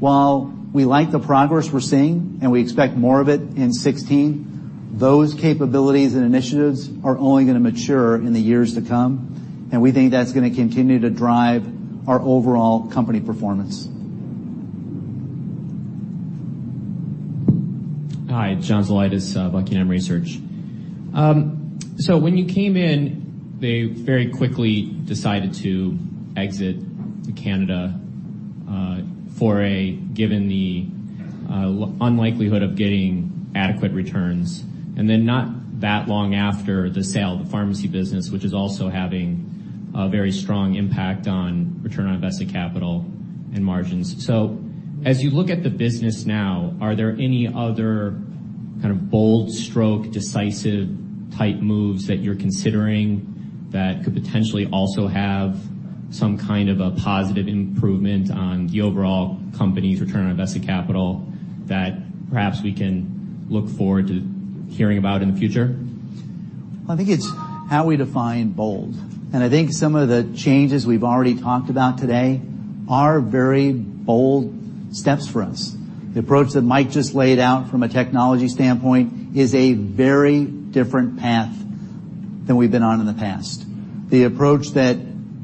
While we like the progress we're seeing, we expect more of it in 2016, those capabilities and initiatives are only going to mature in the years to come, we think that's going to continue to drive our overall company performance. Hi, John Zolidis, Buckingham Research. When you came in, they very quickly decided to exit to Canada, given the unlikelihood of getting adequate returns. Not that long after, the sale of the pharmacy business, which is also having a very strong impact on return on invested capital and margins. As you look at the business now, are there any other kind of bold stroke, decisive type moves that you're considering that could potentially also have some kind of a positive improvement on the overall company's return on invested capital that perhaps we can look forward to hearing about in the future? Well, I think it's how we define bold. I think some of the changes we've already talked about today are very bold steps for us. The approach that Mike just laid out from a technology standpoint is a very different path than we've been on in the past. The approach that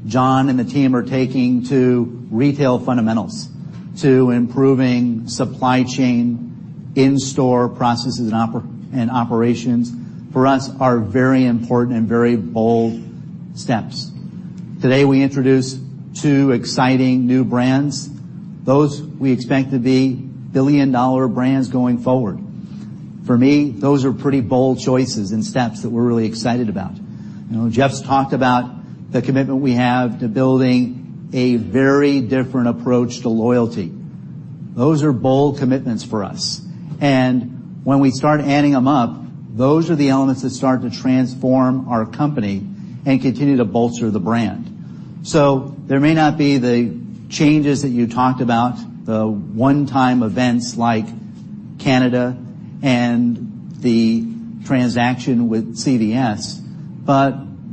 John and the team are taking to retail fundamentals, to improving supply chain, in-store processes and operations, for us, are very important and very bold steps. Today, we introduced two exciting new brands. Those, we expect to be $1 billion brands going forward. For me, those are pretty bold choices and steps that we're really excited about. Jeff's talked about the commitment we have to building a very different approach to loyalty. Those are bold commitments for us. When we start adding them up, those are the elements that start to transform our company and continue to bolster the brand. There may not be the changes that you talked about, the one-time events like Canada and the transaction with CVS,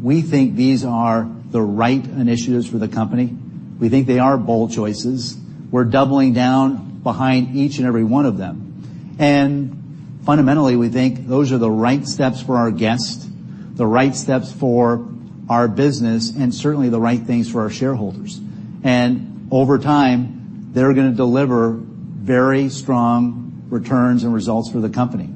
we think these are the right initiatives for the company. We think they are bold choices. We're doubling down behind each and every one of them. Fundamentally, we think those are the right steps for our guests, the right steps for our business, and certainly the right things for our shareholders. Over time, they're going to deliver very strong returns and results for the company.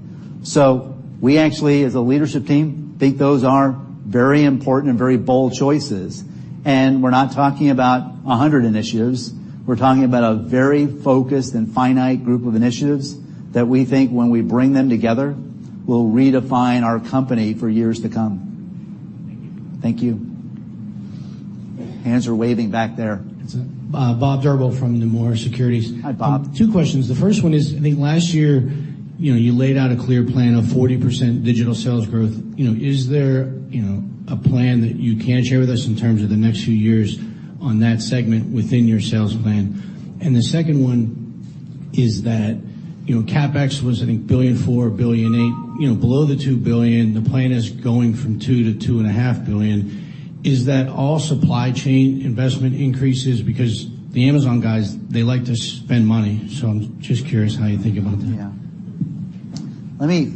We actually, as a leadership team, think those are very important and very bold choices. We're not talking about 100 initiatives. We're talking about a very focused and finite group of initiatives that we think, when we bring them together, will redefine our company for years to come. Thank you. Thank you. Hands are waving back there. Bob Drbul from Nomura Securities. Hi, Bob. Two questions. The first one is, I think last year, you laid out a clear plan of 40% digital sales growth. Is there a plan that you can share with us in terms of the next few years on that segment within your sales plan? The second one- Is that CapEx was, I think, $1.4 billion, $1.8 billion, below the $2 billion. The plan is going from $2 billion to $2.5 billion. Is that all supply chain investment increases? The Amazon guys, they like to spend money. I'm just curious how you think about that. Yeah. Let me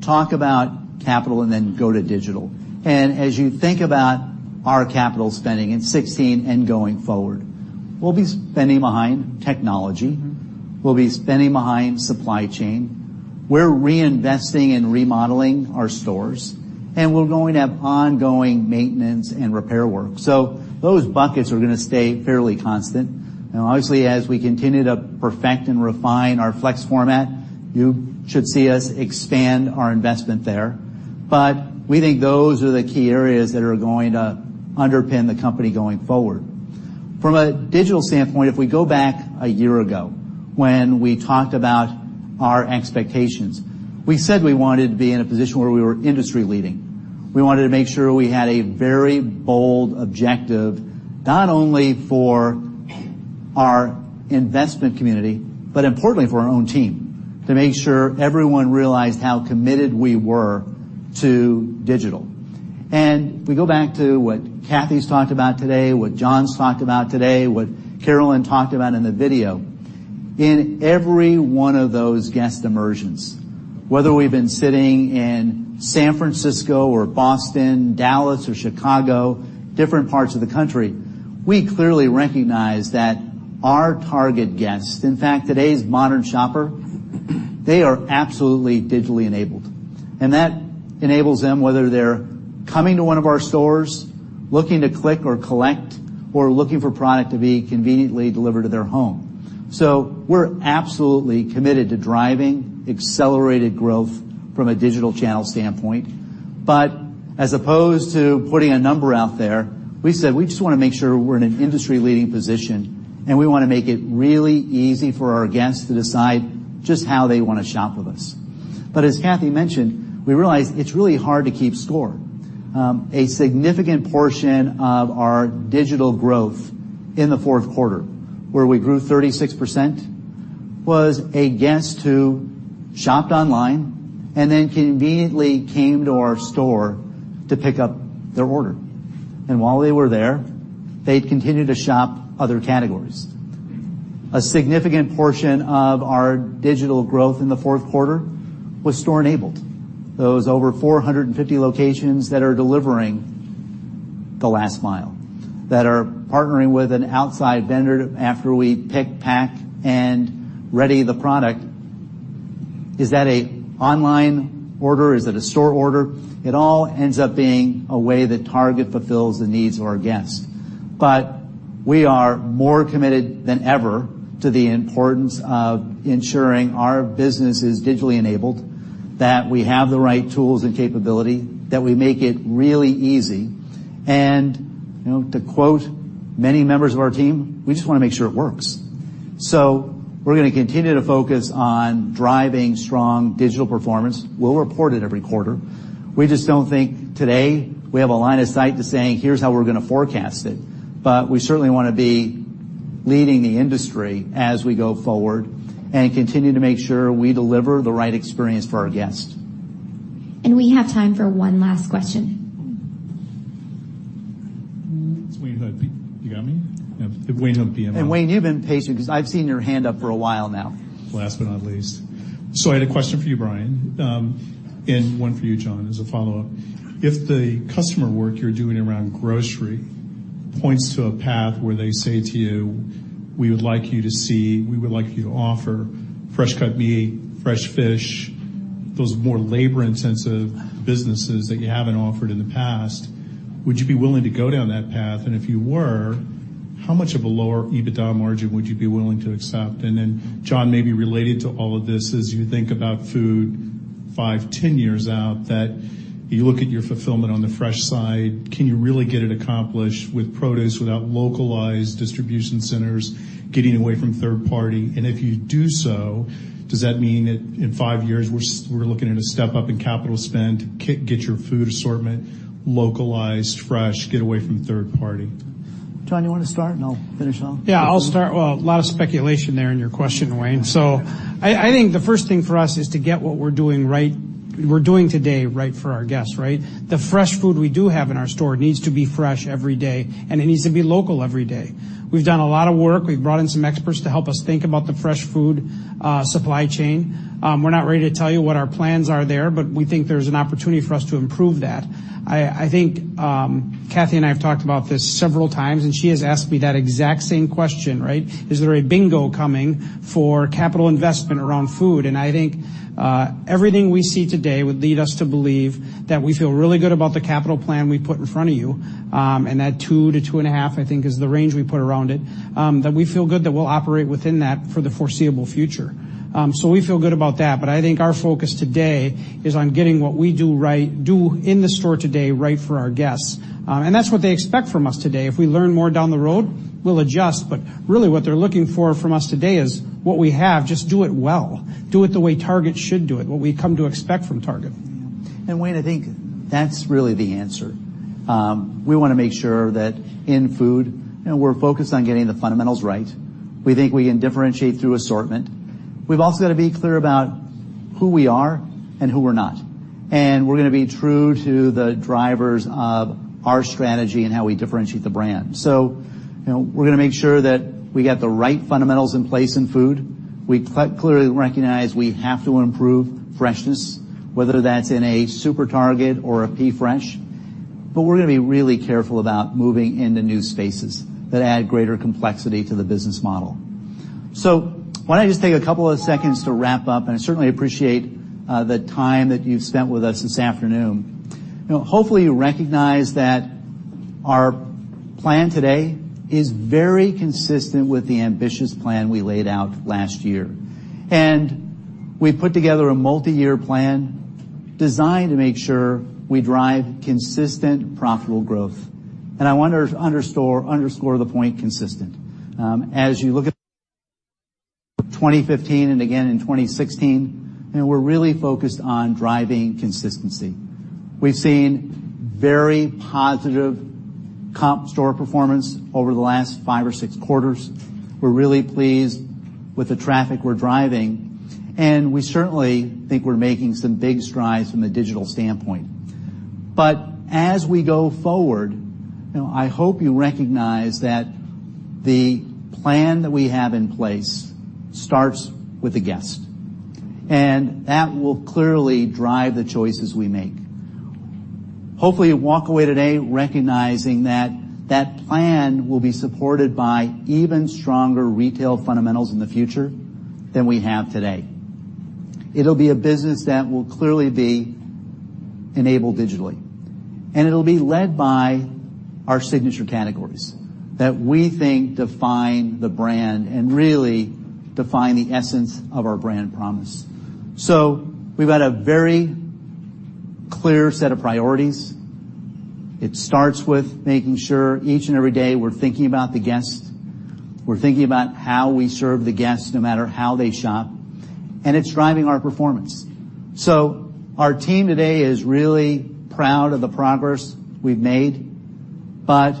talk about capital and then go to digital. As you think about our capital spending in 2016 and going forward, we'll be spending behind technology. We'll be spending behind supply chain. We're reinvesting and remodeling our stores, and we're going to have ongoing maintenance and repair work. Those buckets are going to stay fairly constant. Obviously, as we continue to perfect and refine our flex format, you should see us expand our investment there. We think those are the key areas that are going to underpin the company going forward. From a digital standpoint, if we go back a year ago, when we talked about our expectations, we said we wanted to be in a position where we were industry leading. We wanted to make sure we had a very bold objective, not only for our investment community, but importantly for our own team, to make sure everyone realized how committed we were to digital. If we go back to what Cathy's talked about today, what John's talked about today, what Carolyn talked about in the video, in every one of those guest immersions, whether we've been sitting in San Francisco or Boston, Dallas or Chicago, different parts of the country, we clearly recognize that our Target guest, in fact, today's modern shopper, they are absolutely digitally enabled. That enables them, whether they're coming to one of our stores, looking to click or collect, or looking for product to be conveniently delivered to their home. We're absolutely committed to driving accelerated growth from a digital channel standpoint. As opposed to putting a number out there, we said we just want to make sure we're in an industry-leading position, and we want to make it really easy for our guests to decide just how they want to shop with us. As Cathy mentioned, we realized it's really hard to keep score. A significant portion of our digital growth in the fourth quarter, where we grew 36%, was a guest who shopped online and then conveniently came to our store to pick up their order. While they were there, they'd continue to shop other categories. A significant portion of our digital growth in the fourth quarter was store-enabled. Those over 450 locations that are delivering the last mile, that are partnering with an outside vendor after we pick, pack, and ready the product. Is that an online order? Is it a store order? It all ends up being a way that Target fulfills the needs of our guests. We are more committed than ever to the importance of ensuring our business is digitally enabled, that we have the right tools and capability, that we make it really easy. To quote many members of our team, we just want to make sure it works. So we're going to continue to focus on driving strong digital performance. We'll report it every quarter. We just don't think today we have a line of sight to saying, "Here's how we're going to forecast it." We certainly want to be leading the industry as we go forward and continue to make sure we deliver the right experience for our guests. We have time for one last question. It's Wayne Hood. You got me? Yeah. Wayne Hood, BMO. Wayne, you've been patient because I've seen your hand up for a while now. Last but not least. I had a question for you, Brian, and one for you, John, as a follow-up. If the customer work you're doing around grocery points to a path where they say to you, "We would like you to offer fresh cut meat, fresh fish," those more labor-intensive businesses that you haven't offered in the past, would you be willing to go down that path? If you were, how much of a lower EBITDA margin would you be willing to accept? Then John, maybe related to all of this, as you think about food five, 10 years out, that you look at your fulfillment on the fresh side, can you really get it accomplished with produce without localized distribution centers getting away from third party? If you do so, does that mean that in five years we're looking at a step up in capital spend, get your food assortment localized, fresh, get away from third party? John, you want to start and I'll finish off? I'll start. A lot of speculation there in your question, Wayne. I think the first thing for us is to get what we're doing today right for our guests, right? The fresh food we do have in our store needs to be fresh every day, and it needs to be local every day. We've done a lot of work. We've brought in some experts to help us think about the fresh food supply chain. We're not ready to tell you what our plans are there, but we think there's an opportunity for us to improve that. I think, Cathy and I have talked about this several times, and she has asked me that exact same question, right? Is there a bingo coming for capital investment around food? I think everything we see today would lead us to believe that we feel really good about the capital plan we put in front of you, and that 2 to 2.5, I think, is the range we put around it, that we feel good that we'll operate within that for the foreseeable future. We feel good about that, I think our focus today is on getting what we do in the store today right for our guests. That's what they expect from us today. If we learn more down the road, we'll adjust. Really what they're looking for from us today is what we have, just do it well, do it the way Target should do it, what we come to expect from Target. Wayne, I think that's really the answer. We want to make sure that in food, we're focused on getting the fundamentals right. We think we can differentiate through assortment. We've also got to be clear about who we are and who we're not. We're going to be true to the drivers of our strategy and how we differentiate the brand. We're going to make sure that we got the right fundamentals in place in food. We clearly recognize we have to improve freshness, whether that's in a SuperTarget or a PFresh. We're going to be really careful about moving into new spaces that add greater complexity to the business model. Why don't I just take a couple of seconds to wrap up, and I certainly appreciate the time that you've spent with us this afternoon. Hopefully, you recognize that our plan today is very consistent with the ambitious plan we laid out last year. We put together a multi-year plan designed to make sure we drive consistent, profitable growth. I want to underscore the point consistent. As you look at 2015 and again in 2016, we're really focused on driving consistency. We've seen very positive comp store performance over the last five or six quarters. We're really pleased with the traffic we're driving, and we certainly think we're making some big strides from the digital standpoint. As we go forward, I hope you recognize that the plan that we have in place starts with the guest, and that will clearly drive the choices we make. Hopefully, you walk away today recognizing that that plan will be supported by even stronger retail fundamentals in the future than we have today. It'll be a business that will clearly be enabled digitally, and it'll be led by our signature categories that we think define the brand and really define the essence of our brand promise. We've got a very clear set of priorities. It starts with making sure each and every day we're thinking about the guest, we're thinking about how we serve the guest no matter how they shop, and it's driving our performance. Our team today is really proud of the progress we've made, but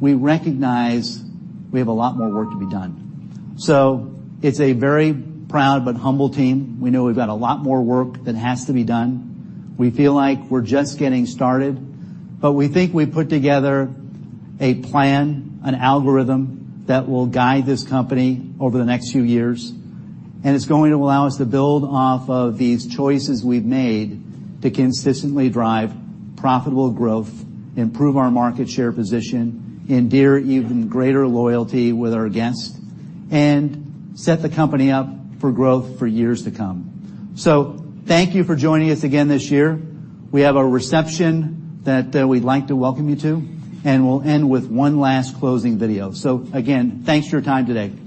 we recognize we have a lot more work to be done. It's a very proud but humble team. We know we've got a lot more work that has to be done. We feel like we're just getting started, but we think we put together a plan, an algorithm that will guide this company over the next few years, and it's going to allow us to build off of these choices we've made to consistently drive profitable growth, improve our market share position, endear even greater loyalty with our guests, and set the company up for growth for years to come. Thank you for joining us again this year. We have a reception that we'd like to welcome you to, and we'll end with one last closing video. Again, thanks for your time today.